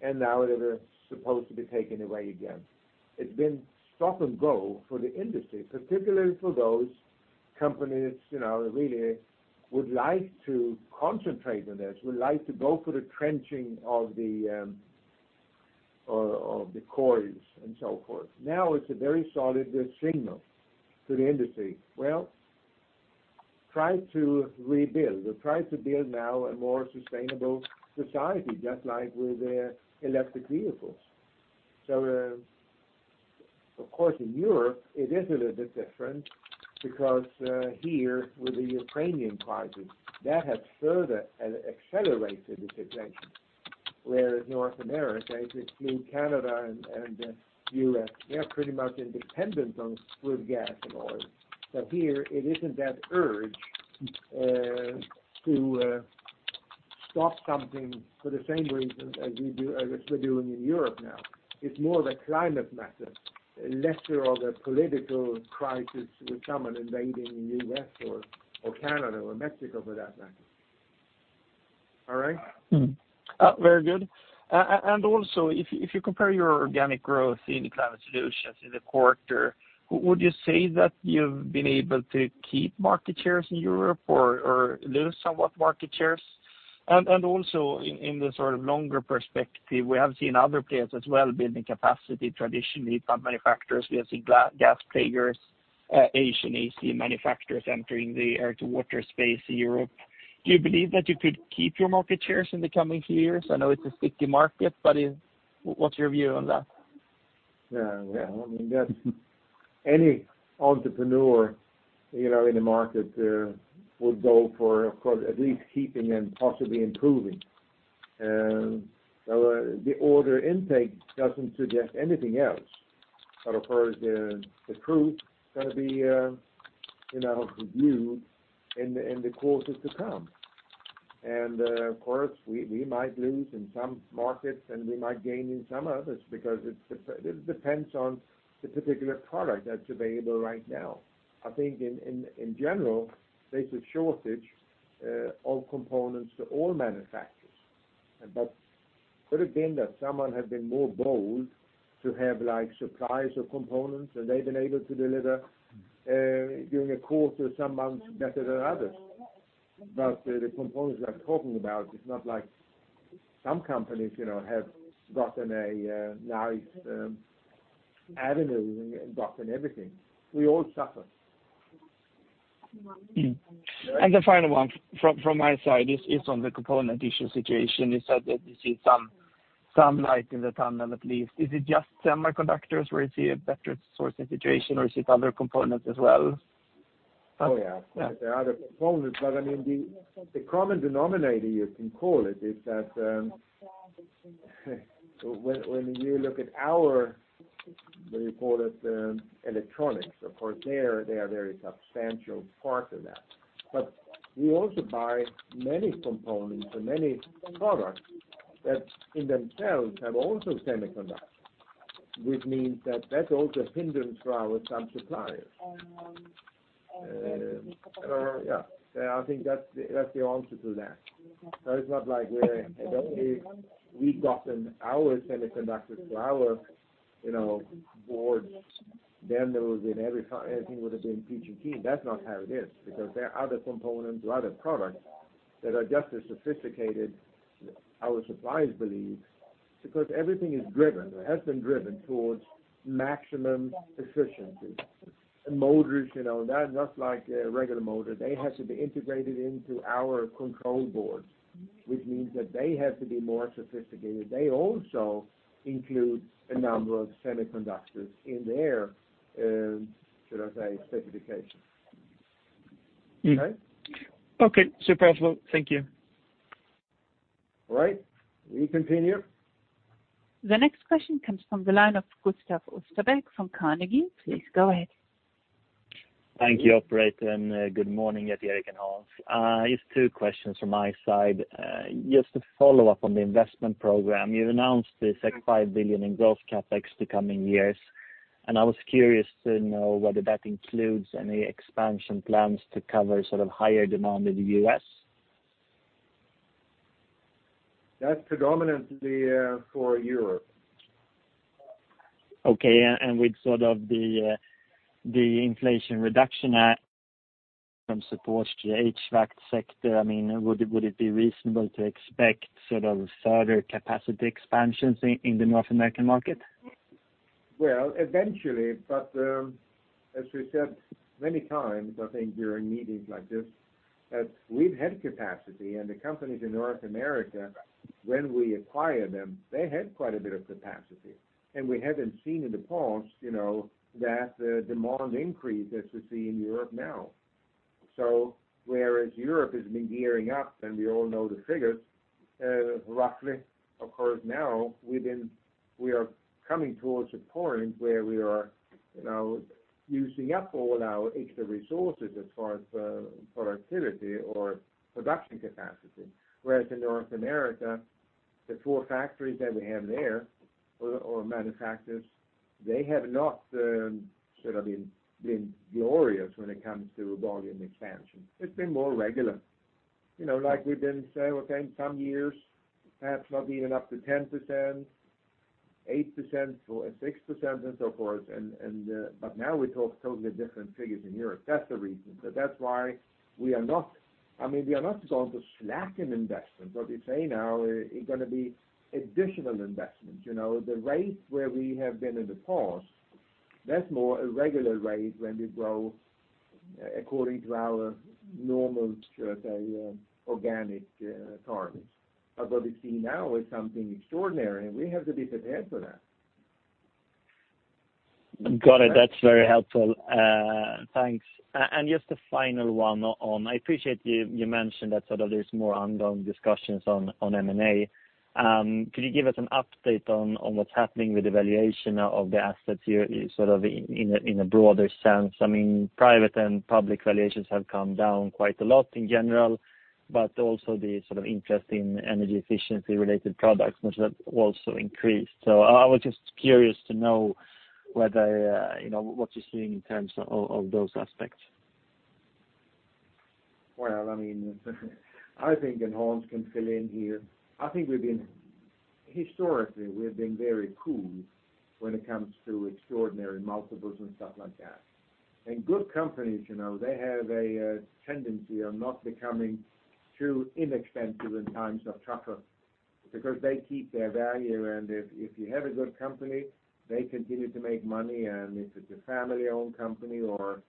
and now they were supposed to be taken away again. It's been stop and go for the industry, particularly for those companies, you know, that really would like to concentrate on this, would like to go for the trenching of the coils and so forth. Now it's a very solid signal to the industry. Well, try to rebuild or try to build now a more sustainable society, just like with the electric vehicles. Of course, in Europe, it is a little bit different because here with the Ukrainian crisis, that has further accelerated this attention. Whereas North America, if you include Canada and U.S., they are pretty much independent of crude, gas, and oil. Here it isn't that urge to stop something for the same reasons as we do, as we're doing in Europe now. It's more the climate matter, less of a political crisis with someone invading the U.S. or Canada or Mexico for that matter. All right? Very good. Also, if you compare your organic growth in the climate solutions in the quarter, would you say that you've been able to keep market shares in Europe or lose somewhat market shares? In the sort of longer perspective, we have seen other players as well building capacity, traditional pump manufacturers. We have seen gas players, Asian AC manufacturers entering the air-to-water space in Europe. Do you believe that you could keep your market shares in the coming years? I know it's a sticky market, but what's your view on that? Yeah. Yeah. I mean, that's any entrepreneur, you know, in the market would go for, of course, at least keeping and possibly improving. The order intake doesn't suggest anything else. Of course, the proof is going to be reviewed in the quarters to come. Of course, we might lose in some markets, and we might gain in some others because it depends on the particular product that's available right now. I think in general, there's a shortage of components to all manufacturers. Could have been that someone had been more bold to have like supplies of components, and they've been able to deliver during a quarter, some months better than others. The components we are talking about, it's not like some companies, you know, have gotten a nice avenue and gotten everything. We all suffer. The final one from my side is on the component issue situation. You said that you see some light in the tunnel, at least. Is it just semiconductors where you see a better supply situation, or is it other components as well? Oh, yeah. Yeah. There are other components, but I mean, the common denominator you can call it is that, when you look at our reported electronics, of course they are very substantial part of that. We also buy many components and many products that in themselves have also semiconductors, which means that that's also a hindrance for our sub-suppliers. Yeah. Yeah, I think that's the answer to that. It's not like it's only if we've gotten our semiconductors for our, you know, boards. Everything would have been peachy. That's not how it is, because there are other components or other products that are just as sophisticated, our suppliers believe, because everything is driven or has been driven towards maximum efficiency. Motors, you know, that just like a regular motor, they have to be integrated into our control board, which means that they have to be more sophisticated. They also include a number of semiconductors in their, should I say, specifications. Mm. Okay? Okay. Super helpful. Thank you. All right. We continue. The next question comes from the line of Gustaf Österberg from Carnegie. Please go ahead. Thank you, operator, and good morning yet again, Hans. It's two questions from my side. Just to follow up on the investment program, you've announced this, like, 5 billion in gross CapEx the coming years, and I was curious to know whether that includes any expansion plans to cover sort of higher demand in the U.S. That's predominantly for Europe. Okay. With sort of the Inflation Reduction Act support to the HVAC sector, I mean, would it be reasonable to expect sort of further capacity expansions in the North American market? Well, eventually, but as we said many times, I think during meetings like this, that we've had capacity. The companies in North America, when we acquired them, they had quite a bit of capacity. We haven't seen in the past, you know, that demand increase as we see in Europe now. Whereas Europe has been gearing up, and we all know the figures, roughly of course now within, we are coming towards a point where we are, you know, using up all our extra resources as far as productivity or production capacity. Whereas in North America, the four factories that we have there, or manufacturers, they have not sort of been glorious when it comes to volume expansion. It's been more regular. You know, like we've been stable. Okay, some years perhaps not even up to 10%, 8% or 6% and so forth, but now we talk totally different figures in Europe. That's the reason. That's why we are not... I mean, we are not going to slack in investments. What we say now is going to be additional investments. You know, the rate where we have been in the past, that's more a regular rate when we grow according to our normal, should I say, organic targets. What we see now is something extraordinary, and we have to be prepared for that. Got it. That's very helpful. Thanks. Just a final one. I appreciate you mentioned that sort of there's more ongoing discussions on M and A. Could you give us an update on what's happening with the valuation of the assets you're sort of in a broader sense? I mean, private and public valuations have come down quite a lot in general, but also the sort of interest in energy efficiency related products much that also increased. I was just curious to know whether you know what you're seeing in terms of those aspects. Well, I mean, I think, and Hans can fill in here, I think we've been historically very cool when it comes to extraordinary multiples and stuff like that. Good companies, you know, they have a tendency of not becoming too inexpensive in times of trouble because they keep their value. If you have a good company, they continue to make money. If it's a family-owned company or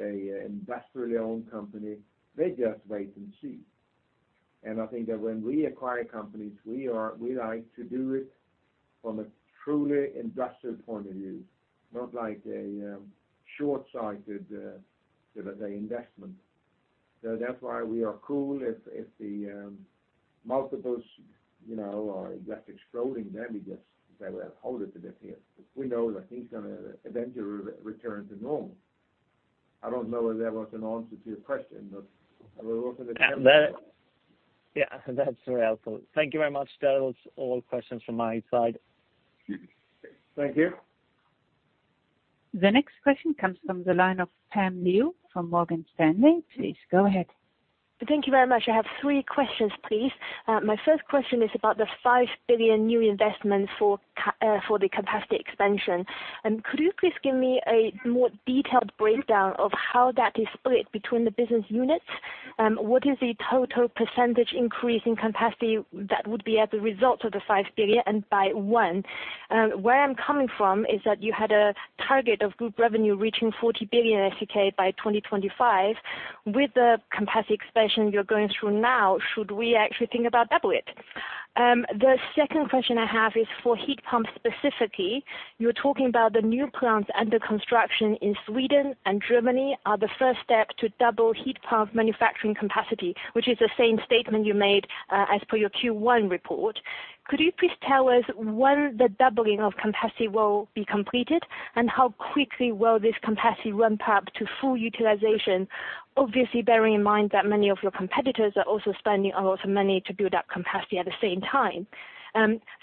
a industrially owned company, they just wait and see. I think that when we acquire companies, we are we like to do it from a truly industrial point of view, not like a short-sighted, should I say, investment. That's why we are cool if the multiples, you know, are just exploding. We just say, "Well, hold it a bit here," because we know that things going to eventually return to normal. I don't know whether that was an answer to your question, but I will open the floor. Yeah, that's very helpful. Thank you very much. That was all questions from my side. Thank you. The next question comes from the line of Vivek Midha from Morgan Stanley. Please go ahead. Thank you very much. I have three questions, please. My first question is about the 5 billion new investments for the capacity expansion. Could you please give me a more detailed breakdown of how that is split between the business units? What is the total percentage increase in capacity that would be as a result of the 5 billion and by when? Where I'm coming from is that you had a target of group revenue reaching 40 billion by 2025. With the capacity expansion you're going through now, should we actually think about double it? The second question I have is for heat pumps specifically. You're talking about the new plants under construction in Sweden and Germany are the first step to double heat pump manufacturing capacity, which is the same statement you made, as per your Q1 report. Could you please tell us when the doubling of capacity will be completed, and how quickly will this capacity ramp up to full utilization? Obviously, bearing in mind that many of your competitors are also spending a lot of money to build up capacity at the same time.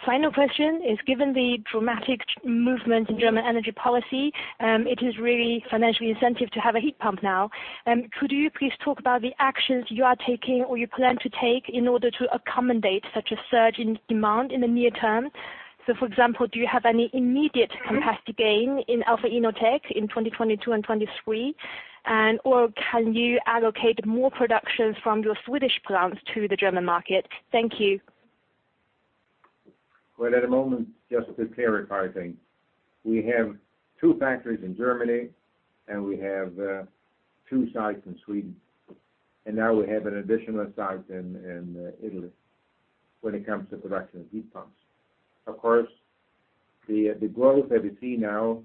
Final question is, given the dramatic movement in German energy policy, it is really financially incentivized to have a heat pump now. Could you please talk about the actions you are taking or you plan to take in order to accommodate such a surge in demand in the near term? For example, do you have any immediate capacity gain in Alpha InnoTec in 2022 and 2023? And/or can you allocate more productions from your Swedish plants to the German market? Thank you. Well, at the moment, just to clarify things, we have two factories in Germany, and we have two sites in Sweden, and now we have an additional site in Italy when it comes to production of heat pumps. Of course, the growth that we see now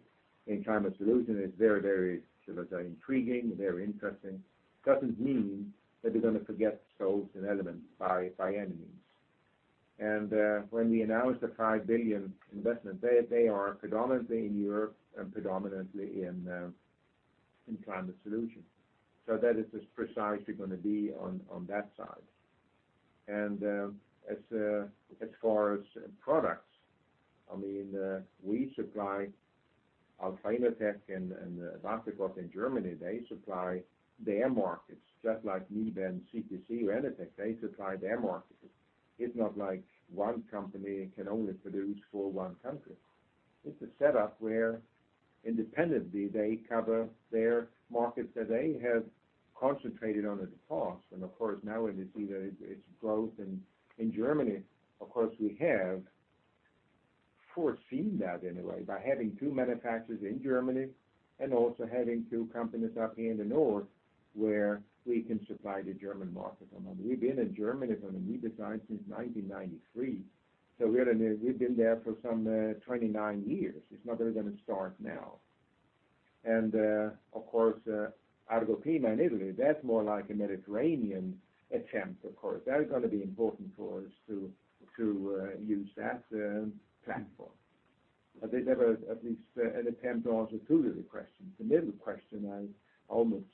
in Climate Solutions is very, should I say, intriguing, very interesting. Doesn't mean that we're going to forget stoves and elements by any means. When we announced the 5 billion investment, they are predominantly in Europe and predominantly in Climate Solutions. That is just precisely going to be on that side. As far as products, I mean, we supply Alpha InnoTec and Waterkotte in Germany. They supply their markets, just like NIBE and CTC or Enertech. They supply their markets. It's not like one company can only produce for one country. It's a setup where independently they cover their markets that they have concentrated on at the cost. Of course, now when you see that it's growth in Germany, of course, we have foreseen that in a way by having two manufacturers in Germany and also having two companies up here in the north, where we can supply the German market. I mean, we've been in Germany from the NIBE side since 1993, so we've been there for some 29 years. It's not really going to start now. Of course, Argoclima in Italy, that's more like a Mediterranean attempt, of course. That is going to be important for us to use that platform. Are they covered? At least an attempt or two to answer the question. The middle question I almost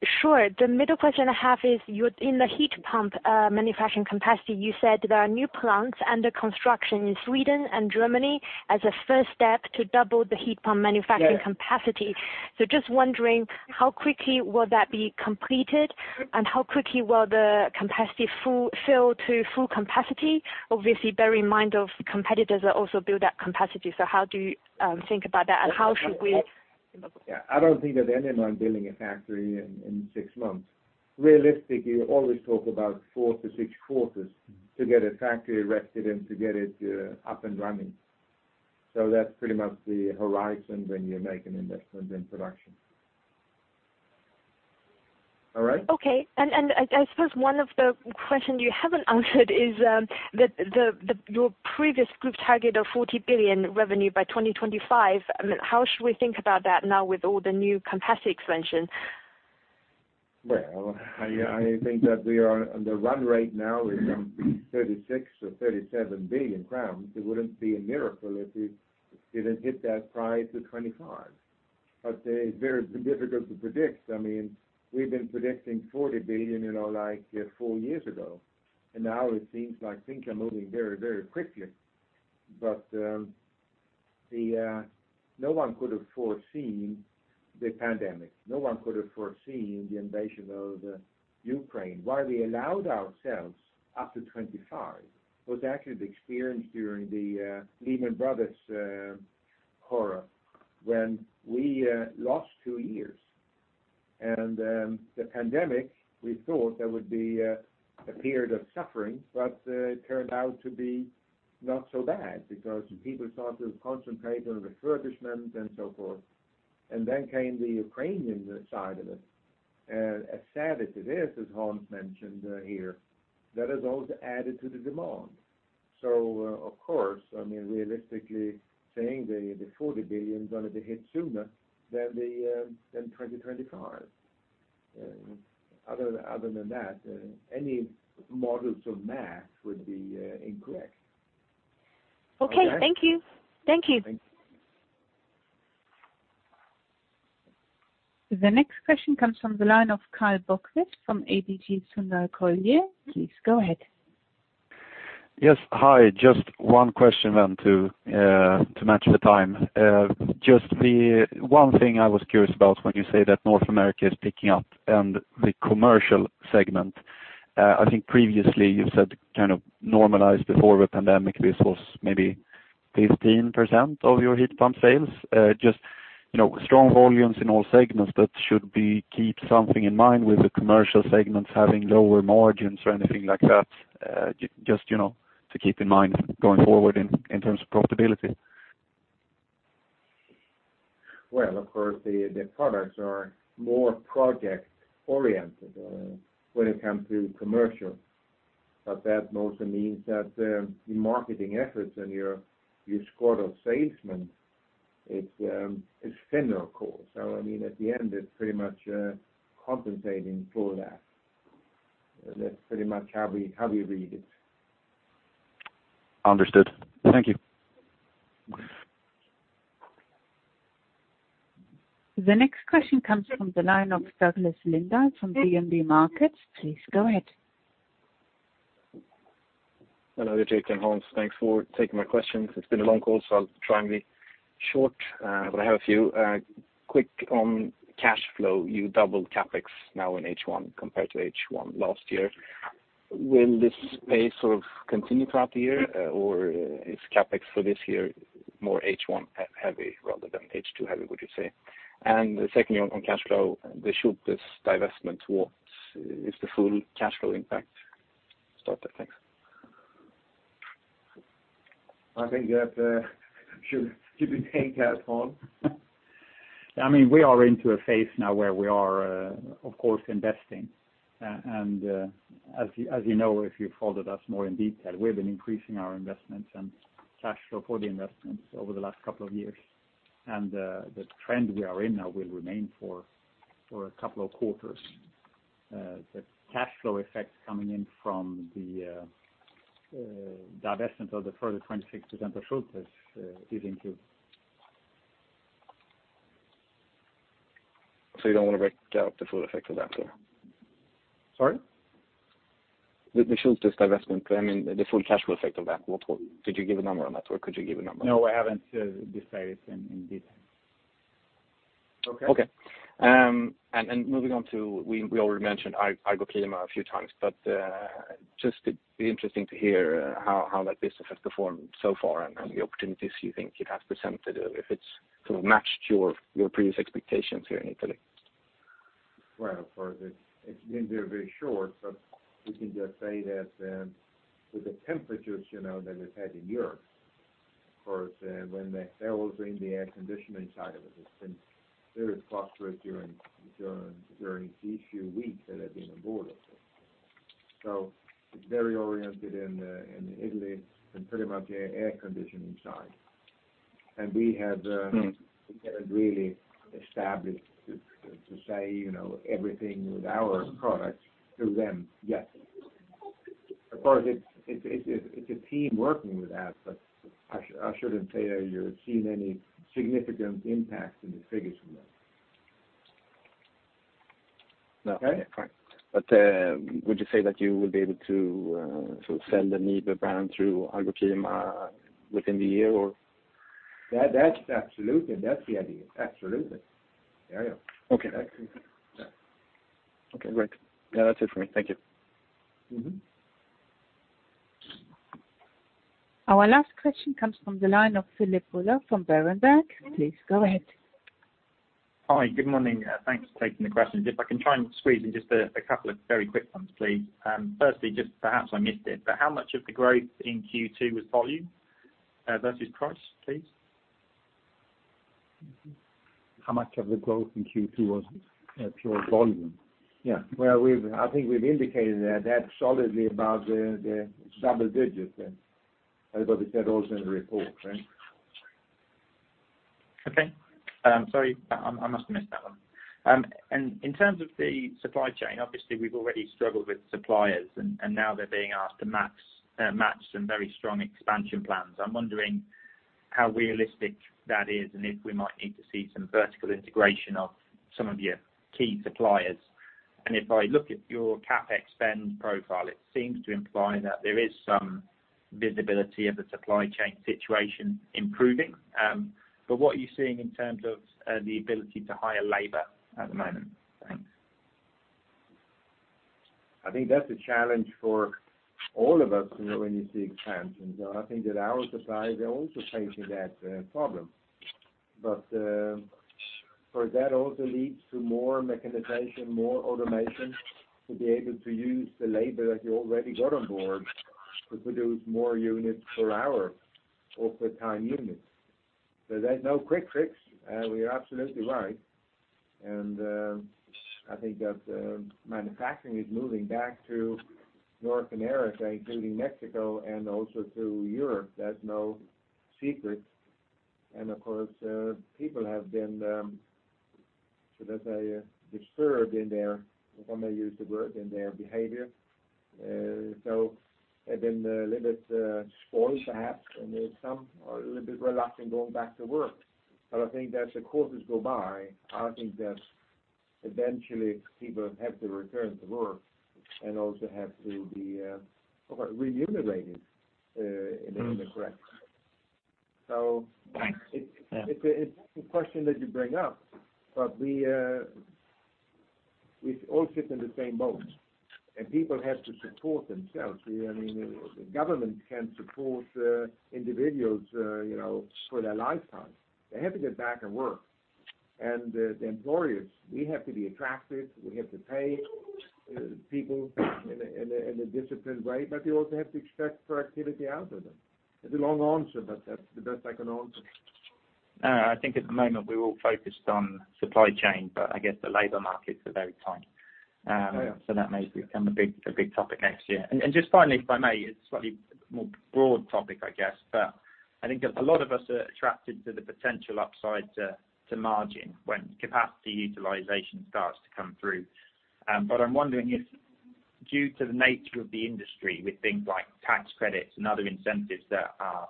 slipped. Sure. The middle question I have is your in the heat pump manufacturing capacity, you said there are new plants under construction in Sweden and Germany as a first step to double the heat pump manufacturing capacity. Yes. Just wondering how quickly will that be completed, and how quickly will the capacity fill to full capacity? Obviously, bear in mind of competitors that also build that capacity. How do you think about that and how should we- Yeah. I don't think that anyone building a factory in six months. Realistically, you always talk about four-six quarters to get a factory erected and to get it up and running. That's pretty much the horizon when you make an investment in production. All right? I suppose one of the questions you haven't answered is your previous group target of 40 billion revenue by 2025. I mean, how should we think about that now with all the new capacity expansion? Well, I think that we are on the run rate now is 36 or 37 billion crowns. It wouldn't be a miracle if we didn't hit that prior to 2025. It's very difficult to predict. I mean, we've been predicting 40 billion, you know, like, four years ago, and now it seems like things are moving very, very quickly. No one could have foreseen the pandemic. No one could have foreseen the invasion of Ukraine. Why we allowed ourselves up to 2025 was actually the experience during the Lehman Brothers horror when we lost two years. The pandemic, we thought there would be a period of suffering, but it turned out to be not so bad because people started to concentrate on refurbishment and so forth. Came the Ukrainian side of it. As sad as it is, as Hans mentioned, here, that has also added to the demand. Of course, I mean, realistically saying the 40 billion is going to be hit sooner than 2025. Other than that, any models or math would be incorrect. Okay. All right? Thank you. Thank you. Thanks. The next question comes from the line of Karl Bokvist from ABG Sundal Collier. Please go ahead. Yes. Hi. Just one question to match the time. Just the one thing I was curious about when you say that North America is picking up and the commercial segment. I think previously you said kind of normalized before the pandemic, this was maybe 15% of your heat pump sales. Just, you know, strong volumes in all segments that we should keep something in mind with the commercial segments having lower margins or anything like that. Just, you know, to keep in mind going forward in terms of profitability. Well, of course the products are more project-oriented when it comes to commercial, but that also means that your marketing efforts and your squad of salesmen, it's thinner of course. I mean, at the end it's pretty much compensating for that. That's pretty much how we read it. Understood. Thank you. The next question comes from the line of Douglas Lindahl from DNB Markets. Please go ahead. Hello, Douglas Lindahl. Thanks for taking my questions. It's been a long call, so I'll try and be short, but I have a few. Quick on cash flow, you doubled CapEx now in H1 compared to H1 last year. Will this pace sort of continue throughout the year, or is CapEx for this year more H1 heavy rather than H2 heavy, would you say? And secondly on cash flow, the Schulthess divestment, what is the full cash flow impact to start with? Thanks. I think that should be paying cash flow. I mean, we are into a phase now where we are of course investing. As you know, if you've followed us more in detail, we've been increasing our investments and cash flow for the investments over the last couple of years. The trend we are in now will remain for a couple of quarters. The cash flow effect coming in from the divestment of the further 26% of Schulthess is included. You don't want to break out the full effect of that though? Sorry? The Schulthess divestment. I mean, the full cash flow effect of that. Did you give a number on that, or could you give a number? No, I haven't decided in detail. Okay. Okay. Moving on to, we already mentioned Argoclima a few times, but just it'd be interesting to hear how that business has performed so far and the opportunities you think it has presented, if it's sort of matched your previous expectations here in Italy. Well, it's been very short, but we can just say that, with the temperatures, you know, that we've had in Europe, of course, when the heat waves are in the air conditioning side of it has been very prosperous during these few weeks that have been on board with it. It's very oriented in Italy and pretty much air conditioning side. We have Mm. We have really established to say, you know, everything with our products to them, yes. Of course, it's a team working with that, but I shouldn't say you're seeing any significant impact in the figures from that. No. Okay? Fine. Would you say that you would be able to sort of sell the NIBE brand through Argoclima within the year or? That's absolutely the idea. Absolutely. There you go. Okay. Absolutely. Yeah. Okay, great. Yeah, that's it for me. Thank you. Mm-hmm. Our last question comes from the line of Philip Buller from Berenberg. Please go ahead. Hi. Good morning. Thanks for taking the questions. If I can try and squeeze in just a couple of very quick ones, please. Firstly, just perhaps I missed it, but how much of the growth in Q2 was volume versus price, please? How much of the growth in Q2 was pure volume? Yeah. Well, we've, I think we've indicated that that's solidly above the double digits, as Bobby said also in the report, right? Okay. Sorry, I must have missed that one. In terms of the supply chain, obviously we've already struggled with suppliers and now they're being asked to match some very strong expansion plans. I'm wondering how realistic that is and if we might need to see some vertical integration of some of your key suppliers. If I look at your CapEx spend profile, it seems to imply that there is some visibility of the supply chain situation improving. What are you seeing in terms of the ability to hire labor at the moment? Thanks. I think that's a challenge for all of us, you know, when you see expansion. I think that our suppliers are also facing that problem. That also leads to more mechanization, more automation to be able to use the labor that you already got on board to produce more units per hour or per time unit. There's no quick fix, we are absolutely right. I think that manufacturing is moving back to North America, including Mexico and also to Europe. That's no secret. Of course, people have been, should I say, disturbed in their, if I may use the word, in their behavior. They've been a little bit spoiled perhaps, and some are a little bit reluctant going back to work. I think as the quarters go by, I think that eventually people have to return to work and also have to be remunerated in a correct way. Mm. So- Thanks. Yeah. It's an interesting question that you bring up, but we all sit in the same boat, and people have to support themselves. I mean, the government can't support individuals, you know, for their lifetime. They have to get back and work. The employers, we have to be attractive, we have to pay people in a disciplined way, but you also have to expect productivity out of them. It's a long answer, but that's the best I can answer. No, I think at the moment we're all focused on supply chain, but I guess the labor markets are very tight. Oh, yeah.... so that may become a big topic next year. Just finally, if I may, it's slightly more broad topic I guess, but I think a lot of us are attracted to the potential upside to margin when capacity utilization starts to come through. But I'm wondering if due to the nature of the industry with things like tax credits and other incentives that are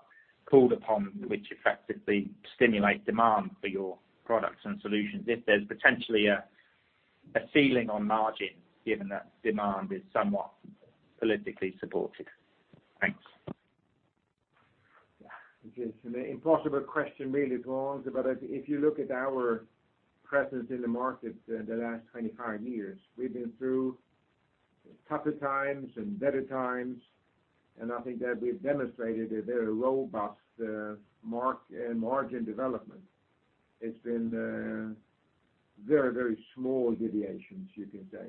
called upon, which effectively stimulate demand for your products and solutions, if there's potentially a ceiling on margin, given that demand is somewhat politically supported. Thanks. It is an impossible question really to answer. If you look at our presence in the market the last 25 years, we've been through tougher times and better times, and I think that we've demonstrated a very robust margin development. It's been very small deviations, you can say.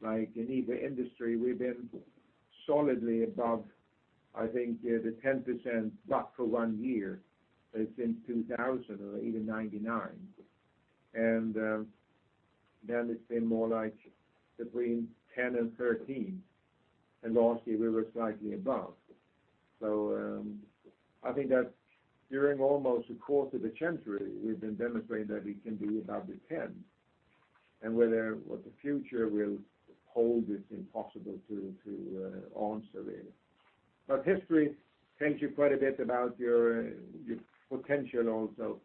Like in every industry, we've been solidly above, I think, the 10% but for one year. It's been 2000 or even 1999. Then it's been more like between 10% and 13%. Lastly, we were slightly above. I think that during almost a quarter of a century, we've been demonstrating that we can be above the 10%. Whether what the future will hold, it's impossible to answer it. History tells you quite a bit about your potential also,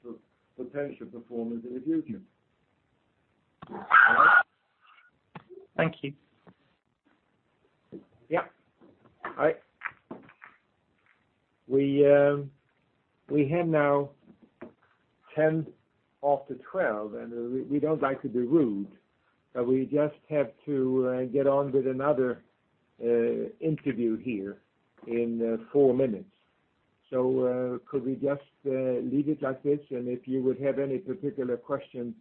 potential performance in the future. All right? Thank you. Yeah. All right. We have now 12:10 P.M., and we don't like to be rude, but we just have to get on with another interview here in four minutes. Could we just leave it like this? If you would have any particular questions,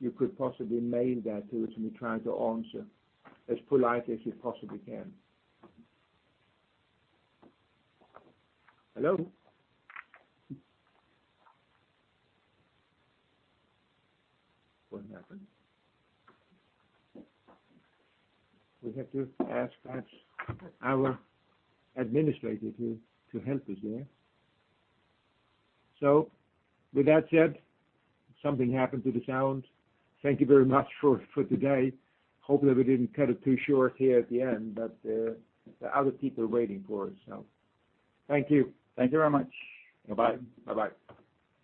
you could possibly mail that to us, and we'll try to answer as polite as we possibly can. Hello? What happened? We have to ask perhaps our administrator to help us there. With that said, something happened to the sound. Thank you very much for today. Hopefully, we didn't cut it too short here at the end, but the other people are waiting for us. Thank you. Thank you very much. Bye-bye.